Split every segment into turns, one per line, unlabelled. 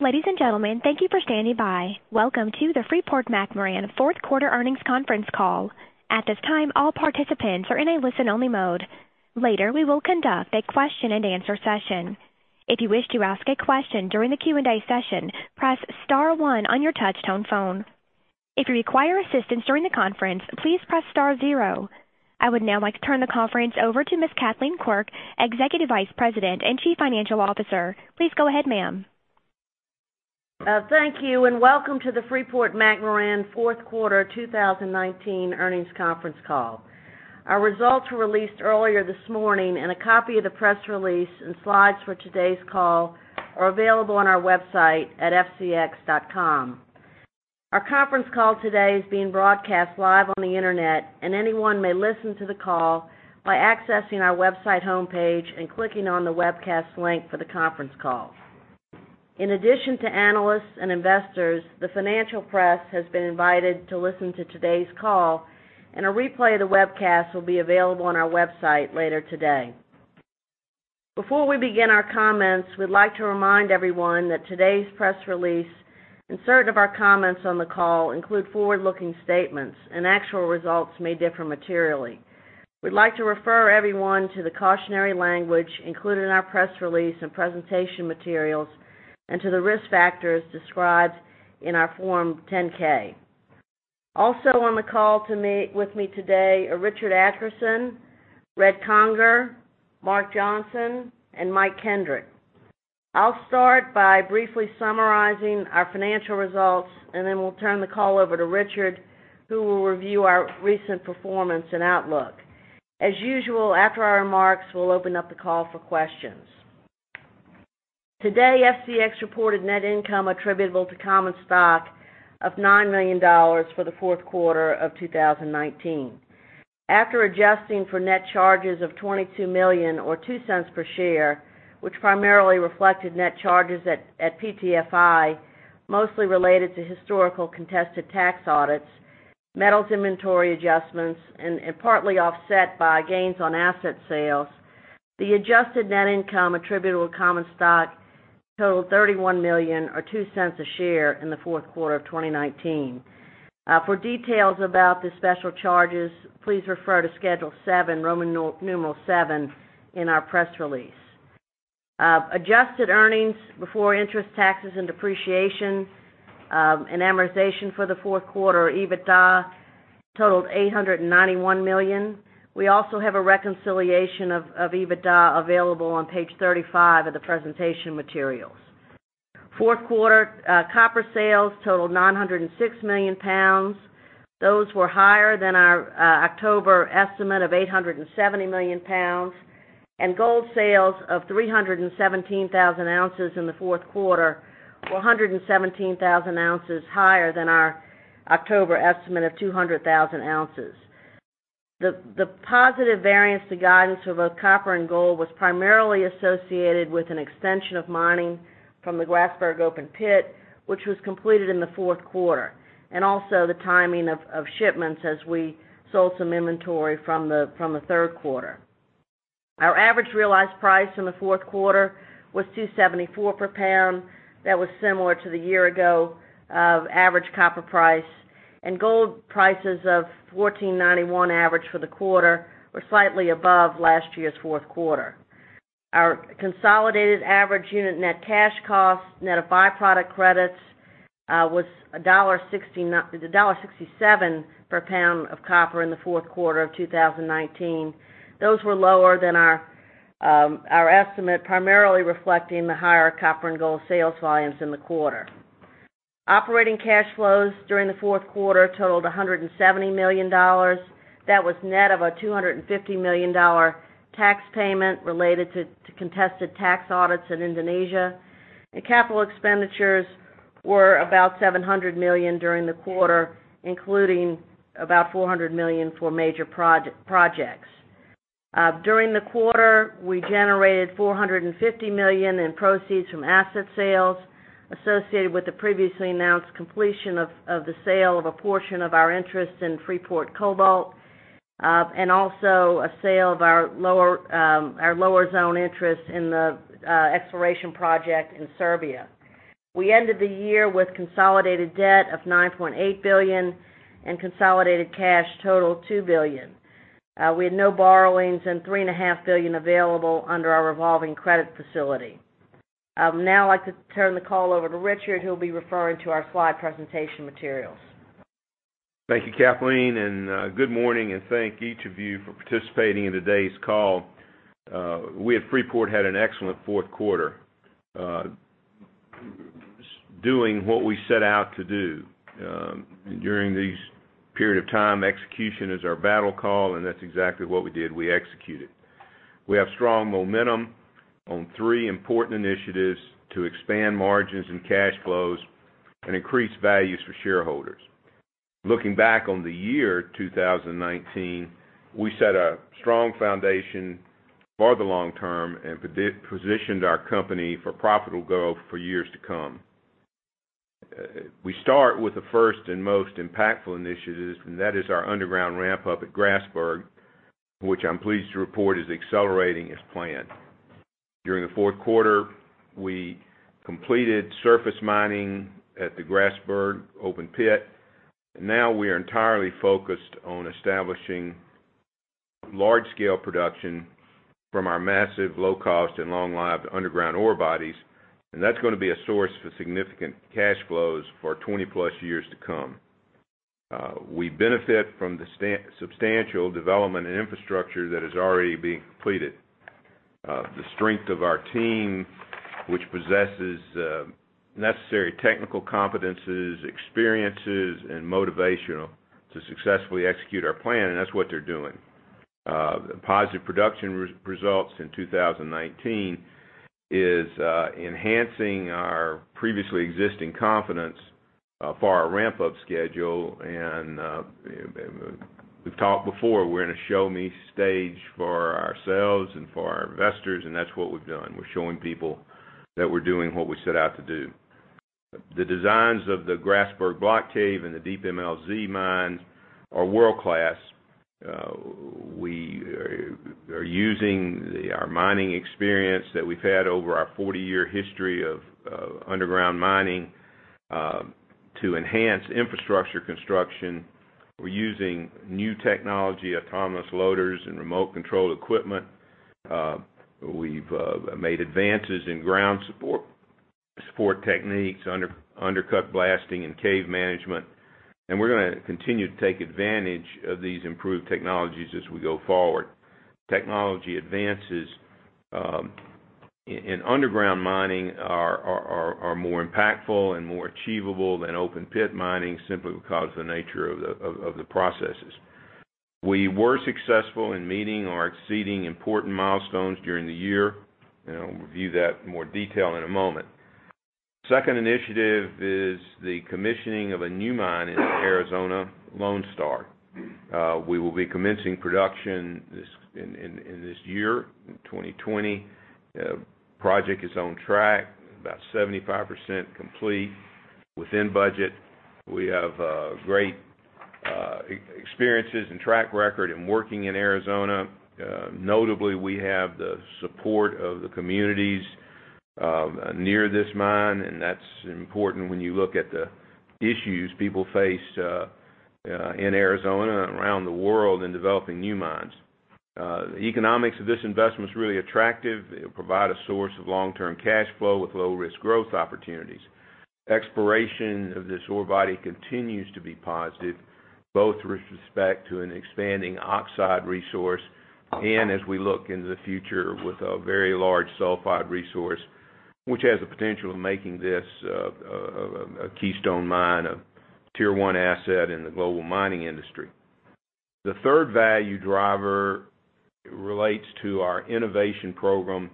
Ladies and gentlemen, thank you for standing by. Welcome to the Freeport-McMoRan fourth quarter earnings conference call. At this time, all participants are in a listen-only mode. Later, we will conduct a question-and-answer session. If you wish to ask a question during the Q&A session, press star one on your touch-tone phone. If you require assistance during the conference, please press star zero. I would now like to turn the conference over to Ms. Kathleen Quirk, Executive Vice President and Chief Financial Officer. Please go ahead, ma'am.
Thank you, and welcome to the Freeport-McMoRan fourth quarter 2019 earnings conference call. Our results were released earlier this morning, and a copy of the press release and slides for today's call are available on our website at fcx.com. Our conference call today is being broadcast live on the Internet, and anyone may listen to the call by accessing our website homepage and clicking on the webcast link for the conference call. In addition to analysts and investors, the financial press has been invited to listen to today's call, and a replay of the webcast will be available on our website later today. Before we begin our comments, we'd like to remind everyone that today's press release and certain of our comments on the call include forward-looking statements, and actual results may differ materially. We'd like to refer everyone to the cautionary language included in our press release and presentation materials and to the risk factors described in our Form 10-K. Also on the call with me today are Richard Adkerson, Red Conger, Mark Johnson, and Mike Kendrick. I'll start by briefly summarizing our financial results, and then we'll turn the call over to Richard, who will review our recent performance and outlook. As usual, after our remarks, we'll open up the call for questions. Today, FCX reported net income attributable to common stock of $9 million for the fourth quarter of 2019. After adjusting for net charges of $22 million, or $0.02 per share, which primarily reflected net charges at PTFI, mostly related to historical contested tax audits, metals inventory adjustments, and partly offset by gains on asset sales. The adjusted net income attributable to common stock totaled $31 million, or $0.02 a share in the fourth quarter of 2019. For details about the special charges, please refer to Schedule VII, Roman numeral VII, in our press release. Adjusted earnings before interest, taxes, and depreciation, and amortization for the fourth quarter, EBITDA, totaled $891 million. We also have a reconciliation of EBITDA available on Page 35 of the presentation materials. Fourth quarter copper sales totaled 906 million lbs. Those were higher than our October estimate of 870 million lbs, and gold sales of 317,000 oz in the fourth quarter were 117,000 oz higher than our October estimate of 200,000 oz. The positive variance to guidance for both copper and gold was primarily associated with an extension of mining from the Grasberg open pit, which was completed in the fourth quarter, and also the timing of shipments as we sold some inventory from the third quarter. Our average realized price in the fourth quarter was $2.74/lb. That was similar to the year-ago average copper price. Gold prices of $1,491 average for the quarter were slightly above last year's fourth quarter. Our consolidated average unit net cash cost, net of byproduct credits, was $1.67/lb of copper in the fourth quarter of 2019. Those were lower than our estimate, primarily reflecting the higher copper and gold sales volumes in the quarter. Operating cash flows during the fourth quarter totaled $170 million. That was net of a $250 million tax payment related to contested tax audits in Indonesia. The capital expenditures were about $700 million during the quarter, including about $400 million for major projects. During the quarter, we generated $450 million in proceeds from asset sales associated with the previously announced completion of the sale of a portion of our interest in Freeport Cobalt and also a sale of our lower zone interest in the exploration project in Serbia. We ended the year with consolidated debt of $9.8 billion and consolidated cash total of $2 billion. We had no borrowings and $3.5 billion available under our revolving credit facility. I would now like to turn the call over to Richard, who will be referring to our slide presentation materials.
Thank you, Kathleen, and good morning, and thank each of you for participating in today's call. We at Freeport had an excellent fourth quarter doing what we set out to do during this period of time. Execution is our battle cry, and that's exactly what we did. We executed. We have strong momentum on three important initiatives to expand margins and cash flows and increase values for shareholders. Looking back on the year 2019, we set a strong foundation for the long term and positioned our company for profitable growth for years to come. We start with the first and most impactful initiatives, and that is our underground ramp up at Grasberg, which I'm pleased to report is accelerating as planned. During the fourth quarter, we completed surface mining at the Grasberg open pit. Now we are entirely focused on establishing large-scale production from our massive low-cost and long-lived underground ore bodies, and that's going to be a source for significant cash flows for 20+ years to come. We benefit from the substantial development and infrastructure that is already being completed. The strength of our team, which possesses necessary technical competences, experiences, and motivation to successfully execute our plan, and that's what they're doing. Positive production results in 2019 is enhancing our previously existing confidence for our ramp up schedule. We've talked before, we're in a show me stage for ourselves and for our investors, and that's what we've done. We're showing people that we're doing what we set out to do. The designs of the Grasberg Block Cave and the Deep MLZ mines are world-class. We are using our mining experience that we've had over our 40-year history of underground mining, to enhance infrastructure construction. We're using new technology, autonomous loaders and remote-control equipment. We've made advances in ground support techniques, undercut blasting, and cave management. We're going to continue to take advantage of these improved technologies as we go forward. Technology advances in underground mining are more impactful and more achievable than open pit mining simply because of the nature of the processes. We were successful in meeting or exceeding important milestones during the year. I'll review that in more detail in a moment. Second initiative is the commissioning of a new mine in Arizona, Lone Star. We will be commencing production in this year, in 2020. Project is on track, about 75% complete, within budget. We have great experiences and track record in working in Arizona. Notably, we have the support of the communities near this mine. That's important when you look at the issues people face in Arizona and around the world in developing new mines. The economics of this investment is really attractive. It'll provide a source of long-term cash flow with low-risk growth opportunities. Exploration of this ore body continues to be positive, both with respect to an expanding oxide resource and as we look into the future with a very large sulfide resource, which has the potential of making this a keystone mine, a Tier-1 asset in the global mining industry. The third value driver relates to our innovation program,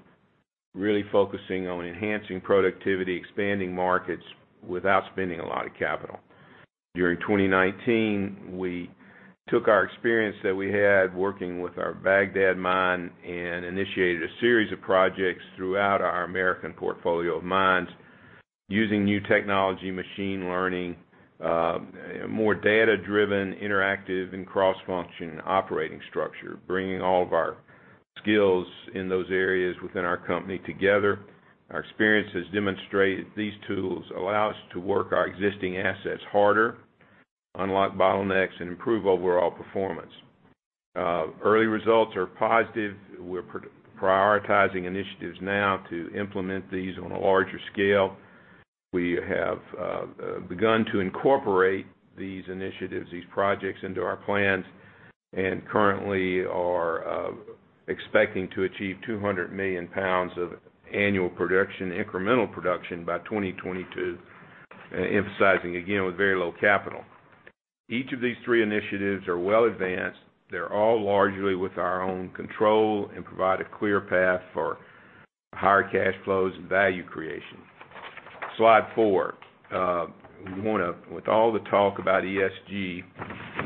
really focusing on enhancing productivity, expanding markets without spending a lot of capital. During 2019, we took our experience that we had working with our Bagdad mine and initiated a series of projects throughout our American portfolio of mines using new technology, machine learning, more data-driven, interactive, and cross-function operating structure, bringing all of our skills in those areas within our company together. Our experience has demonstrated these tools allow us to work our existing assets harder, unlock bottlenecks, and improve overall performance. Early results are positive. We're prioritizing initiatives now to implement these on a larger scale. We have begun to incorporate these initiatives, these projects into our plans, and currently are expecting to achieve 200 million lbs of annual production, incremental production by 2022, emphasizing again, with very low capital. Each of these three initiatives are well advanced. They're all largely with our own control and provide a clear path for higher cash flows and value creation. Slide four. With all the talk about ESG,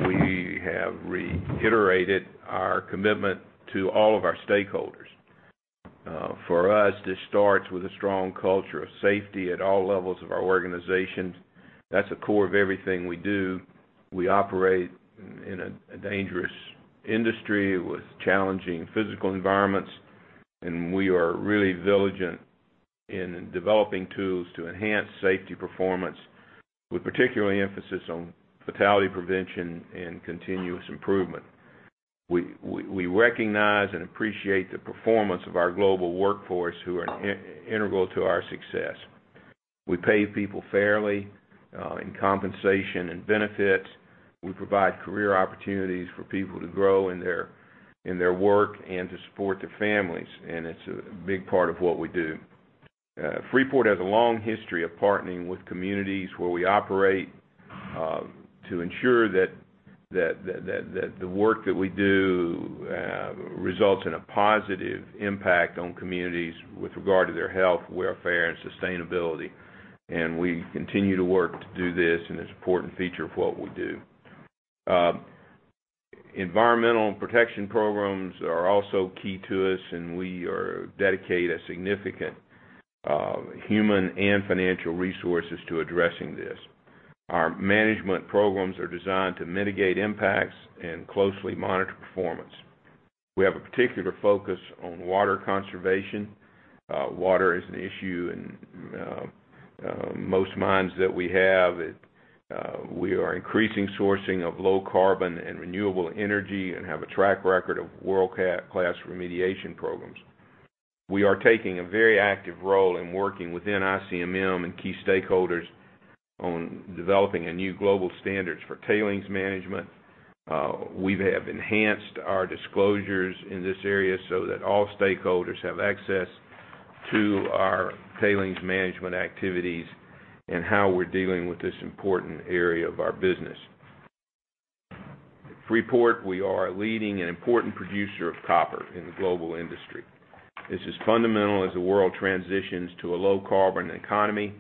we have reiterated our commitment to all of our stakeholders. For us, this starts with a strong culture of safety at all levels of our organization. That's a core of everything we do. We operate in a dangerous industry with challenging physical environments, we are really vigilant in developing tools to enhance safety performance, with particular emphasis on fatality prevention and continuous improvement. We recognize and appreciate the performance of our global workforce who are integral to our success. We pay people fairly, in compensation and benefits. We provide career opportunities for people to grow in their work and to support their families, it's a big part of what we do. Freeport has a long history of partnering with communities where we operate, to ensure that the work that we do results in a positive impact on communities with regard to their health, welfare, and sustainability. We continue to work to do this, and it's an important feature of what we do. Environmental protection programs are also key to us, and we dedicate significant human and financial resources to addressing this. Our management programs are designed to mitigate impacts and closely monitor performance. We have a particular focus on water conservation. Water is an issue in most mines that we have. We are increasing sourcing of low carbon and renewable energy and have a track record of world-class remediation programs. We are taking a very active role in working within ICMM and key stakeholders on developing a new global standards for tailings management. We have enhanced our disclosures in this area so that all stakeholders have access to our tailings management activities and how we're dealing with this important area of our business. At Freeport, we are a leading and important producer of copper in the global industry. This is fundamental as the world transitions to a low carbon economy.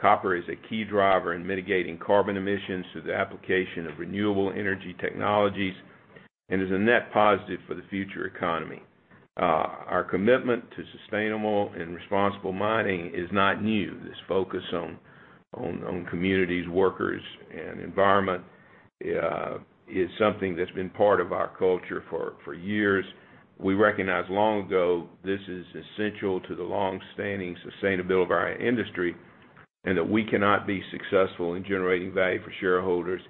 Copper is a key driver in mitigating carbon emissions through the application of renewable energy technologies and is a net positive for the future economy. Our commitment to sustainable and responsible mining is not new. This focus on communities, workers, and environment is something that's been part of our culture for years. We recognized long ago this is essential to the longstanding sustainability of our industry, and that we cannot be successful in generating value for shareholders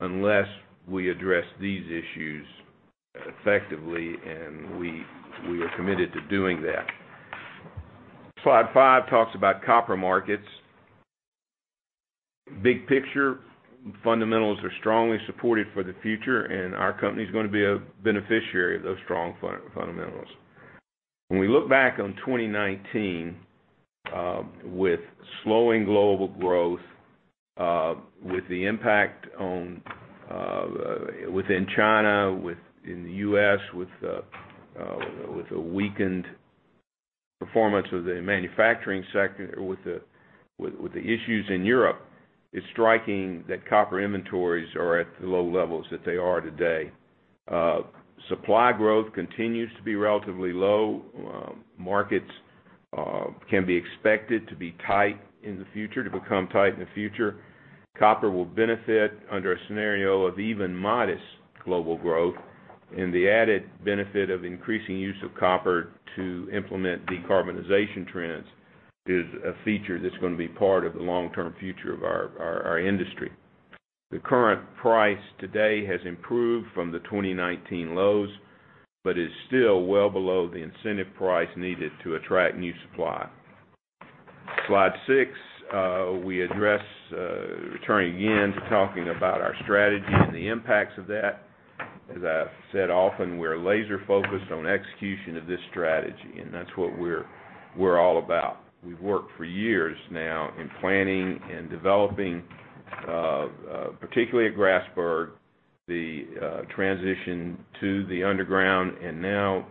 unless we address these issues effectively, and we are committed to doing that. Slide five talks about copper markets. Big picture fundamentals are strongly supported for the future, and our company is going to be a beneficiary of those strong fundamentals. When we look back on 2019, with slowing global growth, with the impact within China, within the U.S., with the weakened performance of the manufacturing sector, with the issues in Europe, it's striking that copper inventories are at the low levels that they are today. Supply growth continues to be relatively low. Markets can be expected to become tight in the future. Copper will benefit under a scenario of even modest global growth, and the added benefit of increasing use of copper to implement decarbonization trends is a feature that's going to be part of the long-term future of our industry. The current price today has improved from the 2019 lows but is still well below the incentive price needed to attract new supply. Slide six, we address, returning again to talking about our strategy and the impacts of that. As I've said often, we're laser focused on execution of this strategy, and that's what we're all about. We've worked for years now in planning and developing, particularly at Grasberg, the transition to the underground, and now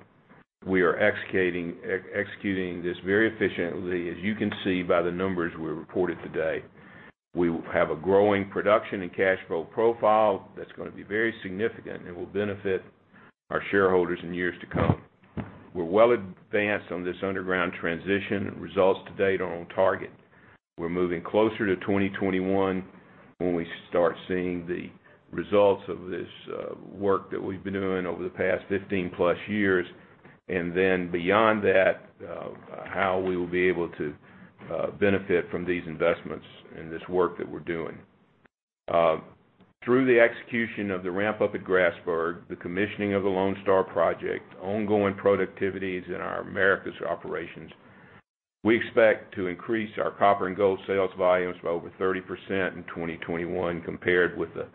we are executing this very efficiently, as you can see by the numbers we reported today. We have a growing production and cash flow profile that's going to be very significant and will benefit our shareholders in years to come. We're well advanced on this underground transition, and results to date are on target. We're moving closer to 2021 when we start seeing the results of this work that we've been doing over the past 15+ years. Beyond that, how we will be able to benefit from these investments and this work that we're doing. Through the execution of the ramp up at Grasberg, the commissioning of the Lone Star project, ongoing productivities in our Americas operations, we expect to increase our copper and gold sales volumes by over 30% in 2021 compared with the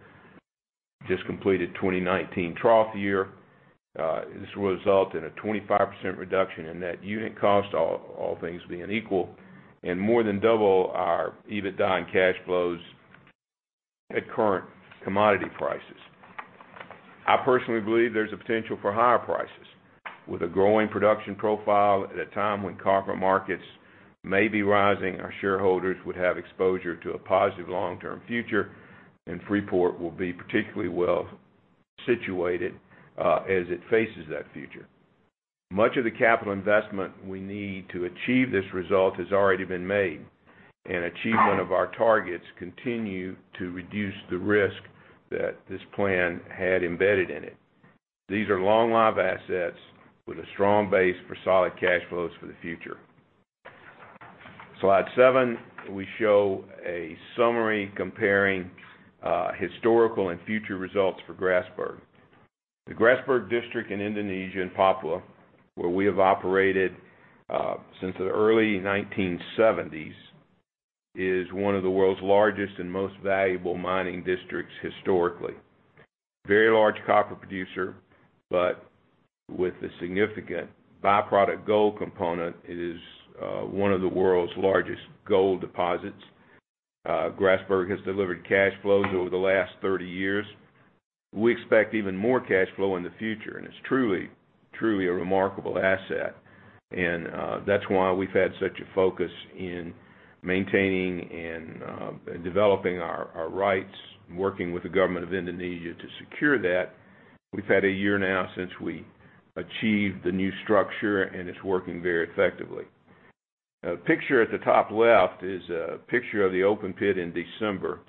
just completed 2019 trough year. This will result in a 25% reduction in net unit cost, all things being equal, and more than double our EBITDA and cash flows at current commodity prices. I personally believe there's a potential for higher prices. With a growing production profile at a time when copper markets may be rising, our shareholders would have exposure to a positive long-term future, Freeport will be particularly well situated as it faces that future. Much of the capital investment we need to achieve this result has already been made, achievement of our targets continue to reduce the risk that this plan had embedded in it. These are long-lived assets with a strong base for solid cash flows for the future. Slide seven, we show a summary comparing historical and future results for Grasberg. The Grasberg district in Indonesia, in Papua, where we have operated since the early 1970s, is one of the world's largest and most valuable mining districts historically. Very large copper producer, with a significant byproduct gold component, it is one of the world's largest gold deposits. Grasberg has delivered cash flows over the last 30 years. We expect even more cash flow in the future, and it's truly a remarkable asset. That's why we've had such a focus in maintaining and developing our rights, working with the government of Indonesia to secure that. We've had a year now since we achieved the new structure, and it's working very effectively. A picture at the top left is a picture of the open pit in December.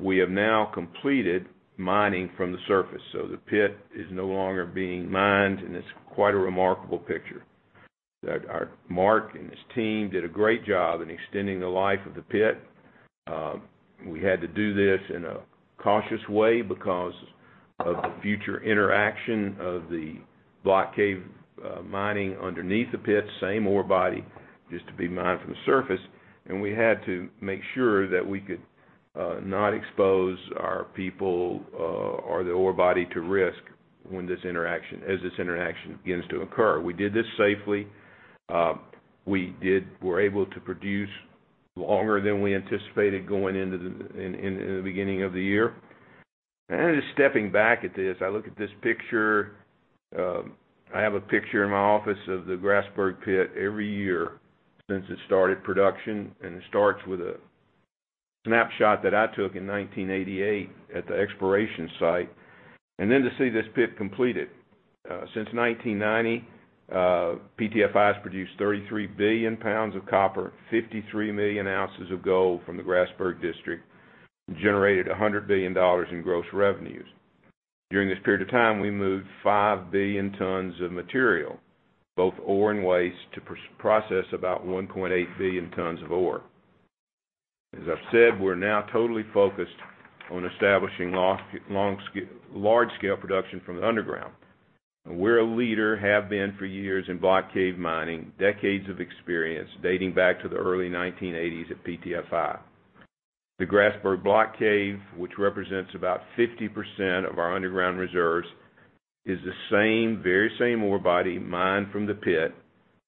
We have now completed mining from the surface, so the pit is no longer being mined, and it's quite a remarkable picture. Mark and his team did a great job in extending the life of the pit. We had to do this in a cautious way because of the future interaction of the block cave mining underneath the pit, same ore body, used to be mined from the surface. We had to make sure that we could not expose our people or the ore body to risk as this interaction begins to occur. We did this safely. We were able to produce longer than we anticipated going into the beginning of the year. Just stepping back at this, I look at this picture. I have a picture in my office of the Grasberg pit every year since it started production, and it starts with a snapshot that I took in 1988 at the exploration site, and then to see this pit completed. Since 1990, PTFI has produced 33 billion lbs of copper, 53 million oz of gold from the Grasberg district, and generated $100 billion in gross revenues. During this period of time, we moved 5 billion tons of material, both ore and waste, to process about 1.8 billion tons of ore. As I've said, we're now totally focused on establishing large-scale production from the underground. We're a leader, have been for years in block cave mining, decades of experience dating back to the early 1980s at PTFI. The Grasberg Block Cave, which represents about 50% of our underground reserves, is the very same ore body mined from the pit,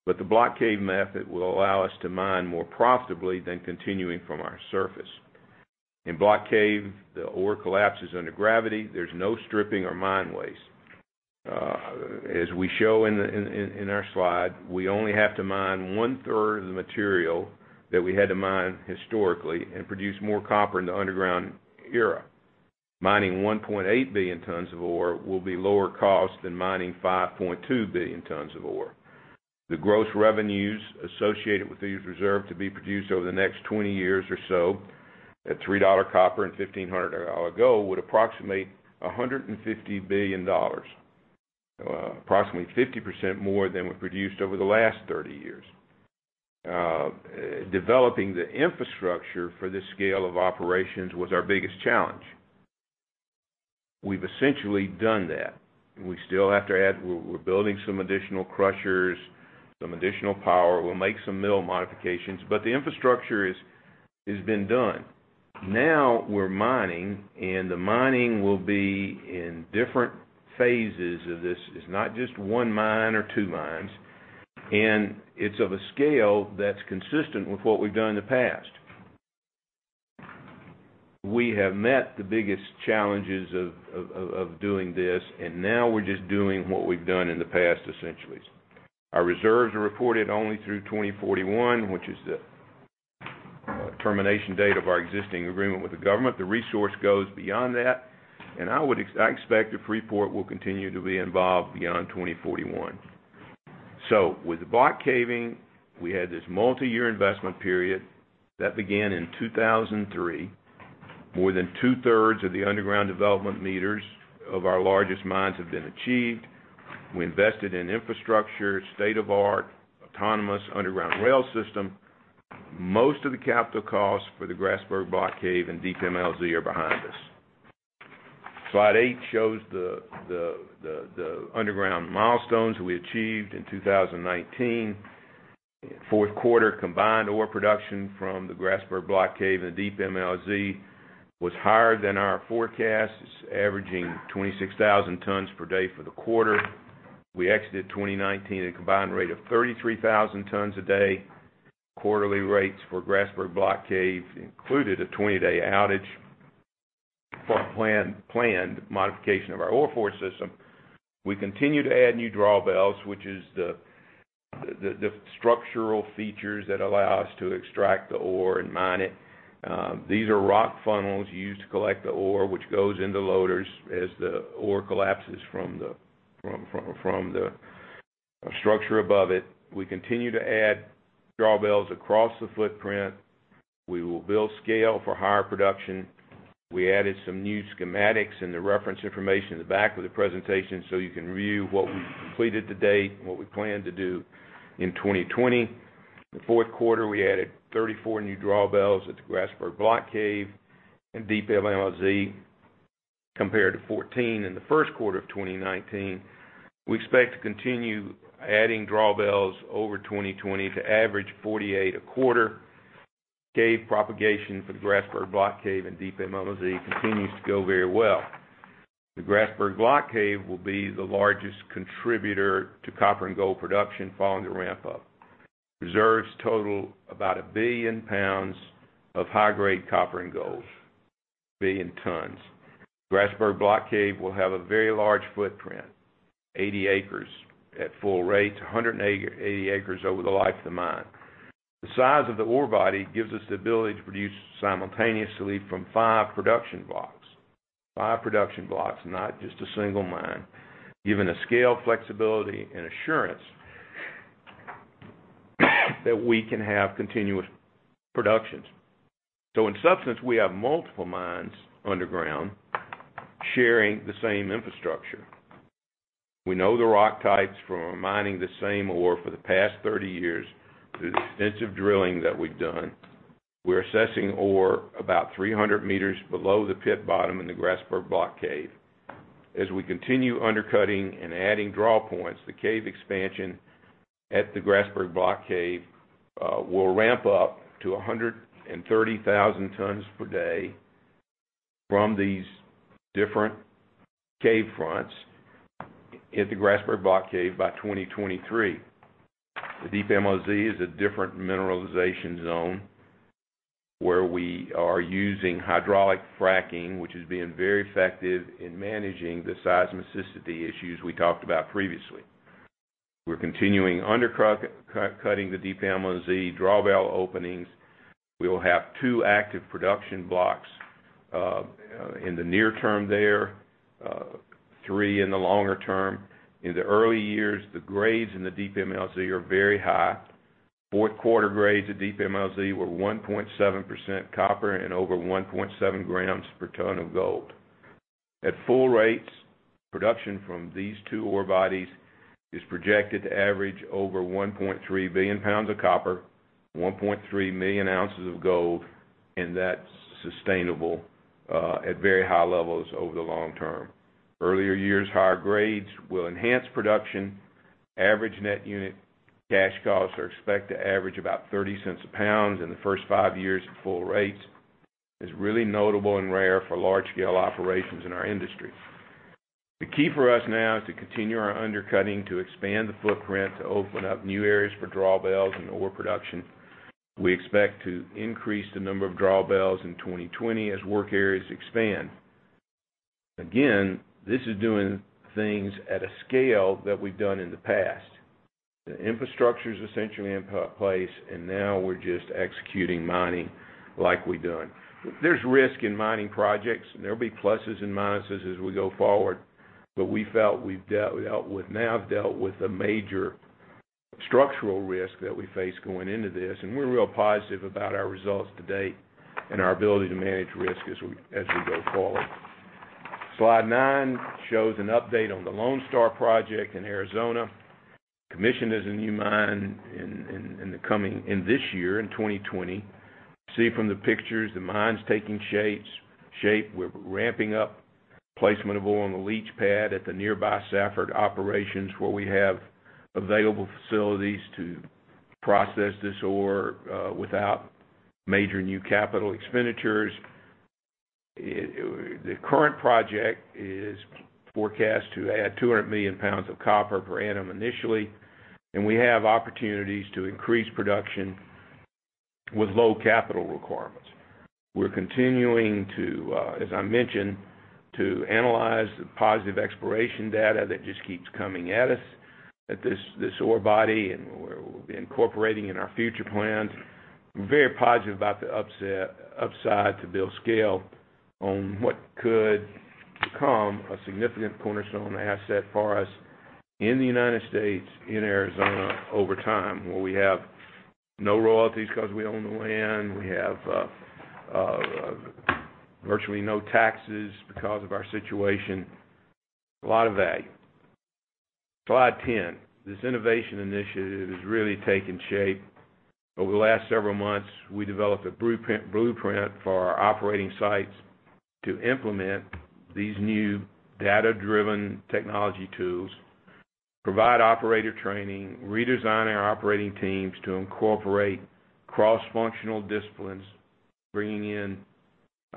but the block cave method will allow us to mine more profitably than continuing from our surface. In block cave, the ore collapses under gravity. There's no stripping or mine waste. As we show in our slide, we only have to mine 1/3 of the material that we had to mine historically and produce more copper in the underground era. Mining 1.8 billion tons of ore will be lower cost than mining 5.2 billion tons of ore. The gross revenues associated with these reserves to be produced over the next 20 years or so at $3 copper and $1,500 gold would approximate $150 billion, approximately 50% more than we produced over the last 30 years. Developing the infrastructure for this scale of operations was our biggest challenge. We've essentially done that. We're building some additional crushers, some additional power. We'll make some mill modifications. The infrastructure has been done. Now we're mining. The mining will be in different phases of this. It's not just one mine or two mines. It's of a scale that's consistent with what we've done in the past. We have met the biggest challenges of doing this. Now we're just doing what we've done in the past, essentially. Our reserves are reported only through 2041, which is the termination date of our existing agreement with the government. The resource goes beyond that. I expect that Freeport will continue to be involved beyond 2041. With the block caving, we had this multi-year investment period that began in 2003. More than 2/3 of the underground development meters of our largest mines have been achieved. We invested in infrastructure, state-of-art autonomous underground rail system. Most of the capital costs for the Grasberg Block Cave and Deep MLZ are behind us. Slide eight shows the underground milestones we achieved in 2019. Fourth quarter combined ore production from the Grasberg Block Cave and the Deep MLZ was higher than our forecasts, averaging 26,000 tons per day for the quarter. We exited 2019 at a combined rate of 33,000 tons a day. Quarterly rates for Grasberg Block Cave included a 20-day outage for planned modification of our ore flow system. We continue to add new drawbells, which is the structural features that allow us to extract the ore and mine it. These are rock funnels used to collect the ore, which goes into loaders as the ore collapses from the structure above it. We continue to add drawbells across the footprint. We will build scale for higher production. We added some new schematics in the reference information at the back of the presentation so you can review what we've completed to date and what we plan to do in 2020. The fourth quarter, we added 34 new drawbells at the Grasberg Block Cave and Deep MLZ compared to 14 in the first quarter of 2019. We expect to continue adding drawbells over 2020 to average 48 a quarter. Cave propagation for the Grasberg Block Cave and Deep MLZ continues to go very well. The Grasberg Block Cave will be the largest contributor to copper and gold production following the ramp-up. Reserves total about a billion pounds of high-grade copper and gold, a billion tons. Grasberg Block Cave will have a very large footprint, 80 acres at full rate, 180 acres over the life of the mine. The size of the ore body gives us the ability to produce simultaneously from five production blocks. Five production blocks, not just a single mine. Giving us scale, flexibility, and assurance that we can have continuous productions. In substance, we have multiple mines underground sharing the same infrastructure. We know the rock types from mining the same ore for the past 30 years through the extensive drilling that we've done. We're assessing ore about 300 meters below the pit bottom in the Grasberg Block Cave. As we continue undercutting and adding drawpoints, the cave expansion at the Grasberg Block Cave will ramp up to 130,000 tons per day from these different cave fronts at the Grasberg Block Cave by 2023. The Deep MLZ is a different mineralization zone where we are using hydraulic fracturing, which is being very effective in managing the seismicity issues we talked about previously. We're continuing undercutting the Deep MLZ drawbell openings. We will have two active production blocks in the near term there, three in the longer term. In the early years, the grades in the Deep MLZ are very high. Fourth quarter grades at Deep MLZ were 1.7% copper and over 1.7 grams per ton of gold. At full rates, production from these two ore bodies is projected to average over 1.3 billion lbs of copper, 1.3 million oz of gold, and that's sustainable at very high levels over the long term. Earlier years' higher grades will enhance production. Average net unit cash costs are expected to average about $0.30/lb in the first five years at full rates. It's really notable and rare for large scale operations in our industry. The key for us now is to continue our undercutting to expand the footprint to open up new areas for drawbells and ore production. We expect to increase the number of drawbells in 2020 as work areas expand. Again, this is doing things at a scale that we've done in the past. The infrastructure's essentially in place, and now we're just executing mining like we've done. We felt we've dealt with, now have dealt with the major structural risk that we face going into this, and we're real positive about our results to date and our ability to manage risk as we go forward. Slide nine shows an update on the Lone Star project in Arizona. Commission as a new mine in this year, in 2020. See from the pictures, the mine's taking shape. We're ramping up placement of ore on the leach pad at the nearby Safford operations, where we have available facilities to process this ore without major new capital expenditures. It the current project is forecast to add 200 million lbs of copper per annum initially, and we have opportunities to increase production with low capital requirements. We're continuing to, as I mentioned, to analyze the positive exploration data that just keeps coming at us at this ore body and we'll be incorporating in our future plans. We're very positive about the upside to build scale on what could become a significant cornerstone asset for us in the United States, in Arizona over time, where we have no royalties because we own the land. We have virtually no taxes because of our situation. A lot of value. Slide 10. This innovation initiative is really taking shape. Over the last several months, we developed a blueprint for our operating sites to implement these new data-driven technology tools, provide operator training, redesign our operating teams to incorporate cross-functional disciplines, bringing in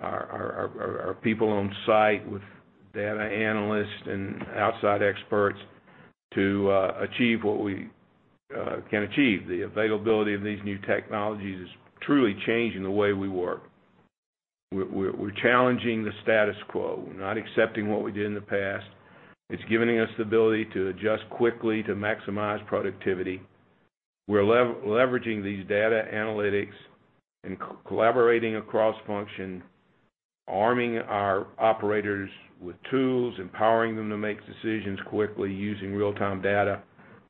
our people on site with data analysts and outside experts to achieve what we can achieve. The availability of these new technologies is truly changing the way we work. We're challenging the status quo. We're not accepting what we did in the past. It's giving us the ability to adjust quickly to maximize productivity. We're leveraging these data analytics and collaborating across function, arming our operators with tools, empowering them to make decisions quickly using real-time data.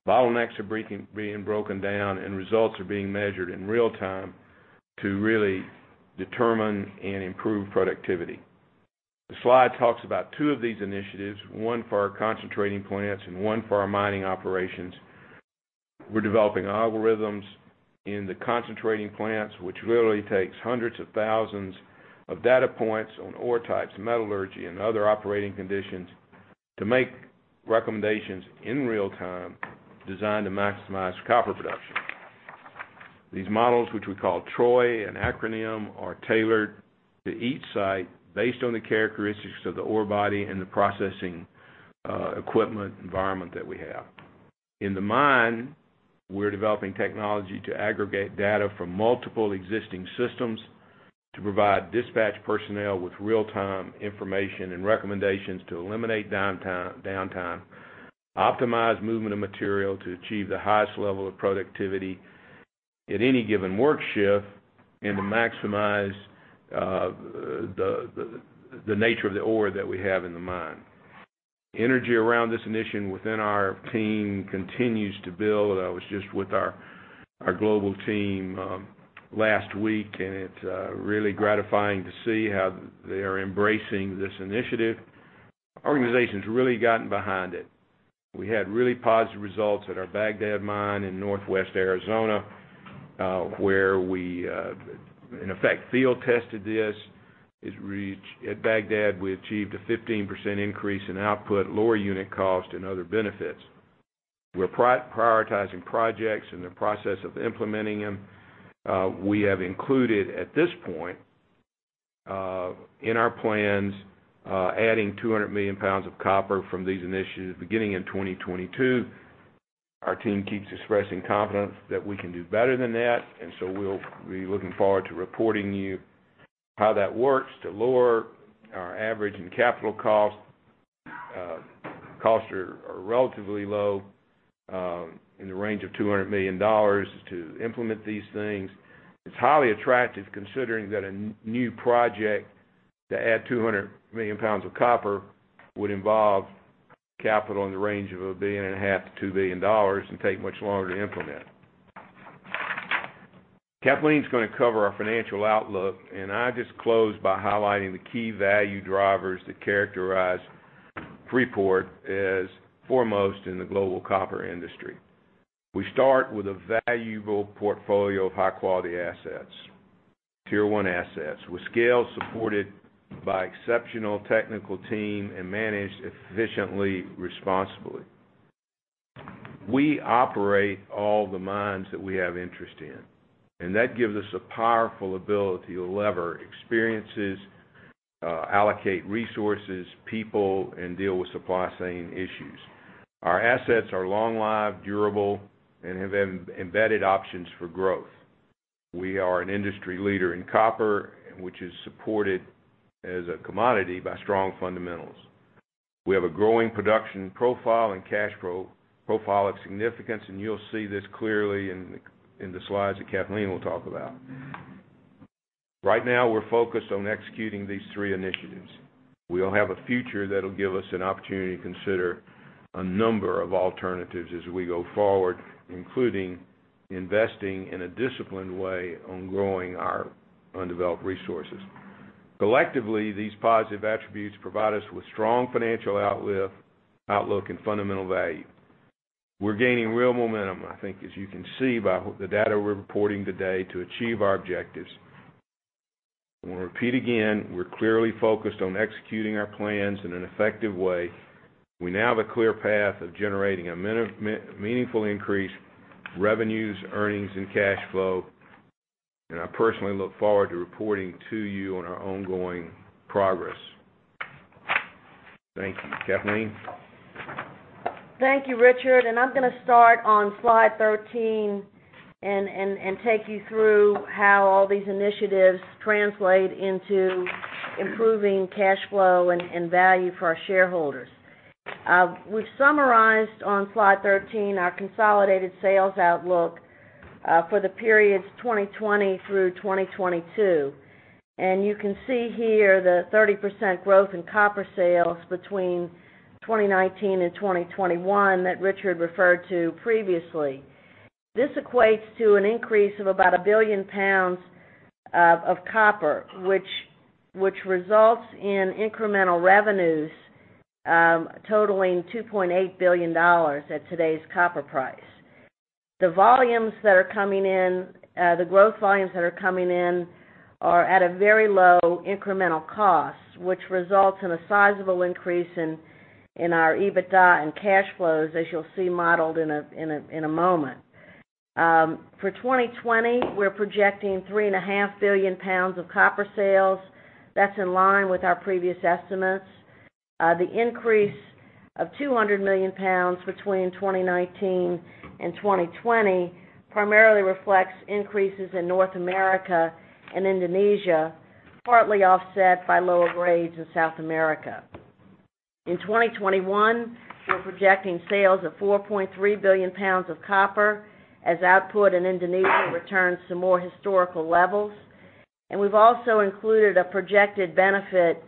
Bottlenecks are being broken down, and results are being measured in real time to really determine and improve productivity. The slide talks about two of these initiatives, one for our concentrating plants and one for our mining operations. We're developing algorithms in the concentrating plants, which literally takes hundreds of thousands of data points on ore types, metallurgy, and other operating conditions to make recommendations in real time designed to maximize copper production. These models, which we call TROI, an acronym, are tailored to each site based on the characteristics of the ore body and the processing, equipment environment that we have. In the mine, we're developing technology to aggregate data from multiple existing systems to provide dispatch personnel with real-time information and recommendations to eliminate downtime, optimize movement of material to achieve the highest level of productivity at any given work shift, and to maximize the nature of the ore that we have in the mine. Energy around this initiative within our team continues to build. I was just with our global team last week, and it's really gratifying to see how they are embracing this initiative. Organization's really gotten behind it. We had really positive results at our Bagdad mine in northwest Arizona, where we, in effect, field tested this. At Bagdad, we achieved a 15% increase in output, lower unit cost, and other benefits. We're prioritizing projects in the process of implementing them. We have included, at this point, in our plans, adding 200 million lbs of copper from these initiatives beginning in 2022. Our team keeps expressing confidence that we can do better than that, we'll be looking forward to reporting to you how that works to lower our average and capital costs. Costs are relatively low, in the range of $200 million to implement these things. It's highly attractive considering that a new project to add 200 million lbs of copper would involve capital in the range of a $1.5 billion-$2 billion and take much longer to implement. Kathleen's going to cover our financial outlook. I'll just close by highlighting the key value drivers that characterize Freeport as foremost in the global copper industry. We start with a valuable portfolio of high-quality assets, Tier-1 assets, with scale supported by exceptional technical team and managed efficiently, responsibly. We operate all the mines that we have interest in. That gives us a powerful ability to lever experiences, allocate resources, people, and deal with supply chain issues. Our assets are long-lived, durable, and have embedded options for growth. We are an industry leader in copper, which is supported as a commodity by strong fundamentals. We have a growing production profile and cash flow profile of significance, and you'll see this clearly in the slides that Kathleen will talk about. Right now, we're focused on executing these three initiatives. We'll have a future that'll give us an opportunity to consider a number of alternatives as we go forward, including investing in a disciplined way on growing our undeveloped resources. Collectively, these positive attributes provide us with strong financial outlook and fundamental value. We're gaining real momentum, I think, as you can see by the data we're reporting today to achieve our objectives. I'm going to repeat again, we're clearly focused on executing our plans in an effective way. We now have a clear path of generating a meaningful increase, revenues, earnings, and cash flow. I personally look forward to reporting to you on our ongoing progress. Thank you. Kathleen?
Thank you, Richard. I'm going to start on slide 13 and take you through how all these initiatives translate into improving cash flow and value for our shareholders. We've summarized on slide 13 our consolidated sales outlook for the periods 2020 through 2022. You can see here the 30% growth in copper sales between 2019 and 2021 that Richard referred to previously. This equates to an increase of about a billion pounds of copper, which results in incremental revenues totaling $2.8 billion at today's copper price. The growth volumes that are coming in are at a very low incremental cost, which results in a sizable increase in our EBITDA and cash flows, as you'll see modeled in a moment. For 2020, we're projecting 3.5 billion lbs of copper sales. That's in line with our previous estimates. The increase of 200 million lbs between 2019 and 2020 primarily reflects increases in North America and Indonesia, partly offset by lower grades in South America. In 2021, we're projecting sales of 4.3 billion lbs of copper as output in Indonesia returns to more historical levels. We've also included a projected benefit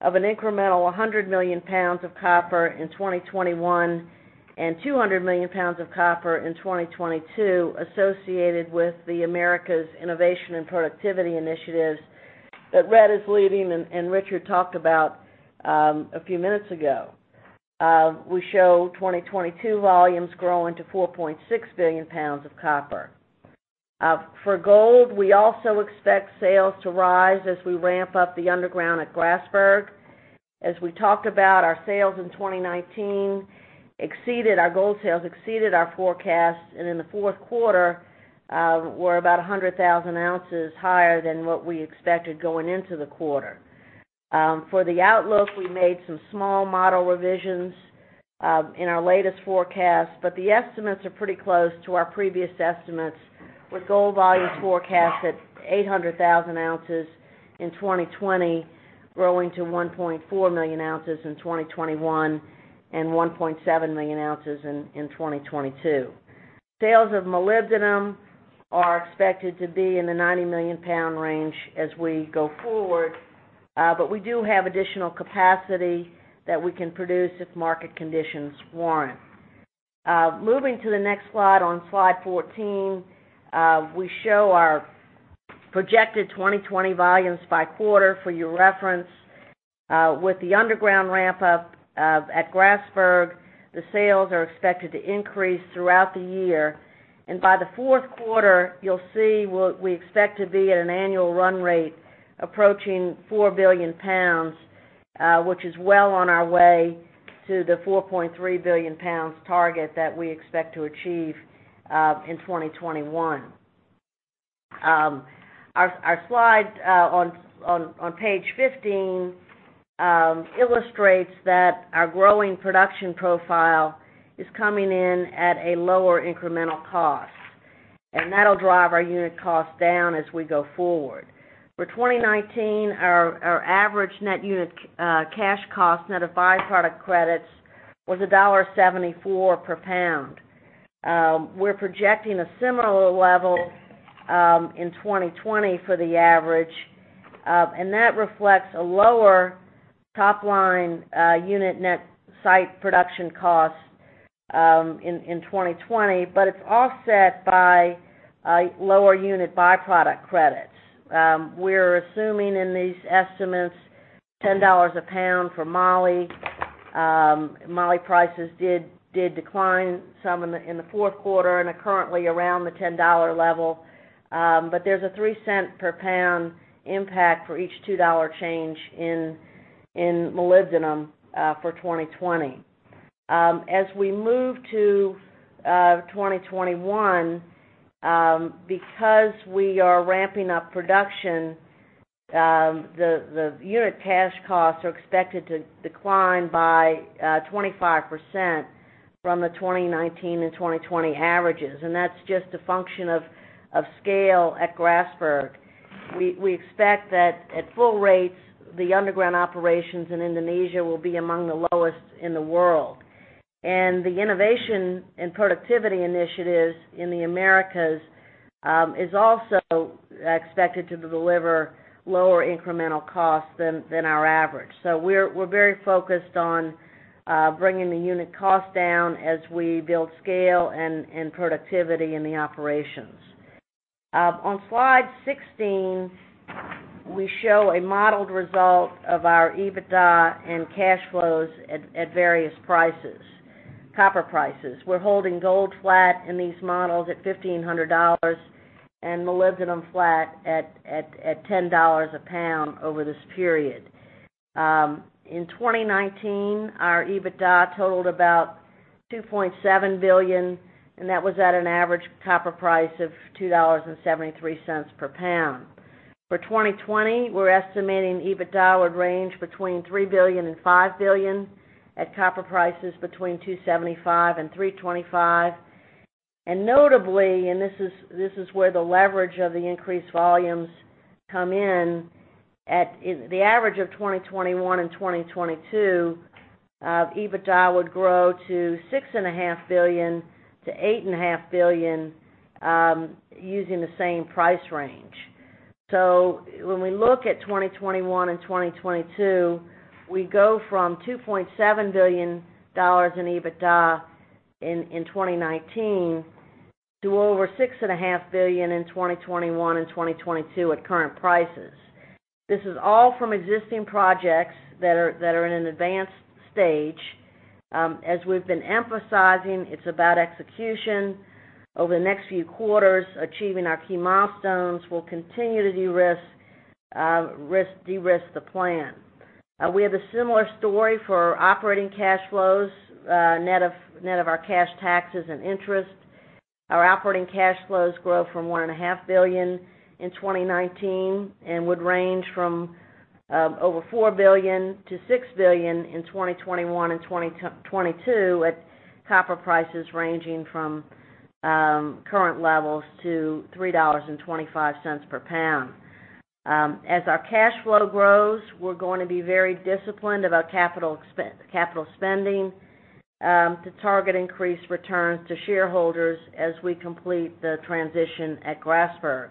of an incremental 100 million lbs of copper in 2021 and 200 million lbs of copper in 2022 associated with the Americas Innovation and Productivity Initiatives that Red is leading and Richard talked about a few minutes ago. We show 2022 volumes growing to 4.6 billion lbs of copper. For gold, we also expect sales to rise as we ramp up the underground at Grasberg. As we talked about, our sales in 2019 exceeded our gold sales, exceeded our forecast, and in the fourth quarter, were about 100,000 oz higher than what we expected going into the quarter. For the outlook, we made some small model revisions in our latest forecast, but the estimates are pretty close to our previous estimates, with gold volumes forecast at 800,000 oz in 2020, growing to 1.4 million oz in 2021 and 1.7 million oz in 2022. Sales of molybdenum are expected to be in the 90-million-lbs range as we go forward, but we do have additional capacity that we can produce if market conditions warrant. Moving to the next slide, on slide 14, we show our projected 2020 volumes by quarter for your reference. With the underground ramp-up at Grasberg, the sales are expected to increase throughout the year. By the fourth quarter, you'll see what we expect to be at an annual run rate approaching 4 billion lbs, which is well on our way to the 4.3 billion lbs target that we expect to achieve in 2021. Our slide on page 15 illustrates that our growing production profile is coming in at a lower incremental cost, and that'll drive our unit cost down as we go forward. For 2019, our average net unit cash cost, net of byproduct credits, was $1.74/lb. We're projecting a similar level in 2020 for the average. That reflects a lower top-line unit net site production cost in 2020, but it's offset by lower unit byproduct credits. We're assuming in these estimates $10/lb for moly. Moly prices did decline some in the fourth quarter and are currently around the $10 level. There's a $0.03/lb impact for each $2 change in molybdenum for 2020. As we move to 2021, because we are ramping up production, the unit cash costs are expected to decline by 25% from the 2019 and 2020 averages, and that's just a function of scale at Grasberg. We expect that at full rates, the underground operations in Indonesia will be among the lowest in the world. The innovation and productivity initiatives in the Americas is also expected to deliver lower incremental costs than our average. We're very focused on bringing the unit cost down as we build scale and productivity in the operations. On slide 16, we show a modeled result of our EBITDA and cash flows at various prices, copper prices. We're holding gold flat in these models at $1,500 and molybdenum flat at $10/lb over this period. In 2019, our EBITDA totaled about $2.7 billion, and that was at an average copper price of $2.73/lb. For 2020, we're estimating EBITDA would range between $3 billion and $5 billion at copper prices between $2.75 and $3.25. Notably, and this is where the leverage of the increased volumes come in, at the average of 2021 and 2022, EBITDA would grow to $6.5 billion-$8.5 billion using the same price range. When we look at 2021 and 2022, we go from $2.7 billion in EBITDA in 2019 to over $6.5 billion in 2021 and 2022 at current prices. This is all from existing projects that are in an advanced stage. As we've been emphasizing, it's about execution. Over the next few quarters, achieving our key milestones will continue to de-risk the plan. We have a similar story for operating cash flows, net of our cash taxes and interest. Our operating cash flows grow from $1.5 billion in 2019 and would range from over $4 billion-$6 billion in 2021 and 2022 at copper prices ranging from current levels to $3.25/lb. As our cash flow grows, we're going to be very disciplined about capital spending to target increased returns to shareholders as we complete the transition at Grasberg.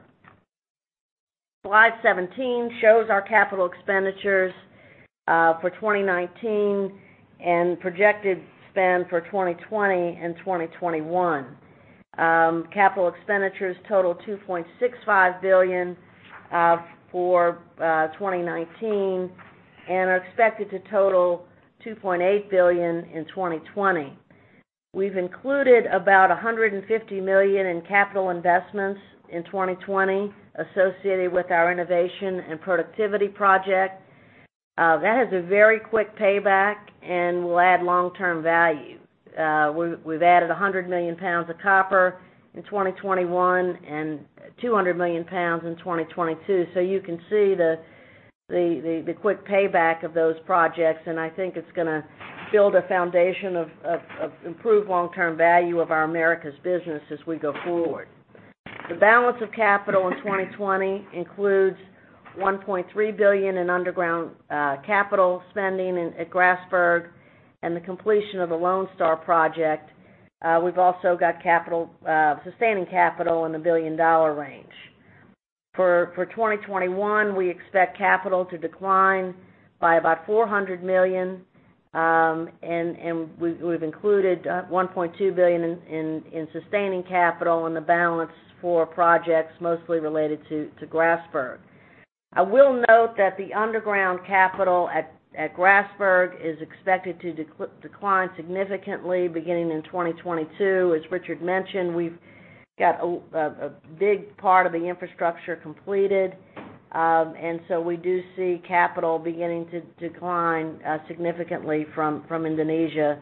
Slide 17 shows our capital expenditures for 2019 and projected spend for 2020 and 2021. Capital expenditures total $2.65 billion for 2019 and are expected to total $2.8 billion in 2020. We've included about $150 million in capital investments in 2020 associated with our innovation and productivity project. That has a very quick payback and will add long-term value. We've added 100 million lbs of copper in 2021 and 200 million lbs in 2022. You can see the quick payback of those projects, and I think it's going to build a foundation of improved long-term value of our Americas business as we go forward. The balance of capital in 2020 includes $1.3 billion in underground capital spending at Grasberg and the completion of the Lone Star project. We've also got sustaining capital in the billion-dollar range. For 2021, we expect capital to decline by about $400 million, and we've included $1.2 billion in sustaining capital in the balance for projects mostly related to Grasberg. I will note that the underground capital at Grasberg is expected to decline significantly beginning in 2022. As Richard mentioned, we've got a big part of the infrastructure completed. We do see capital beginning to decline significantly from Indonesia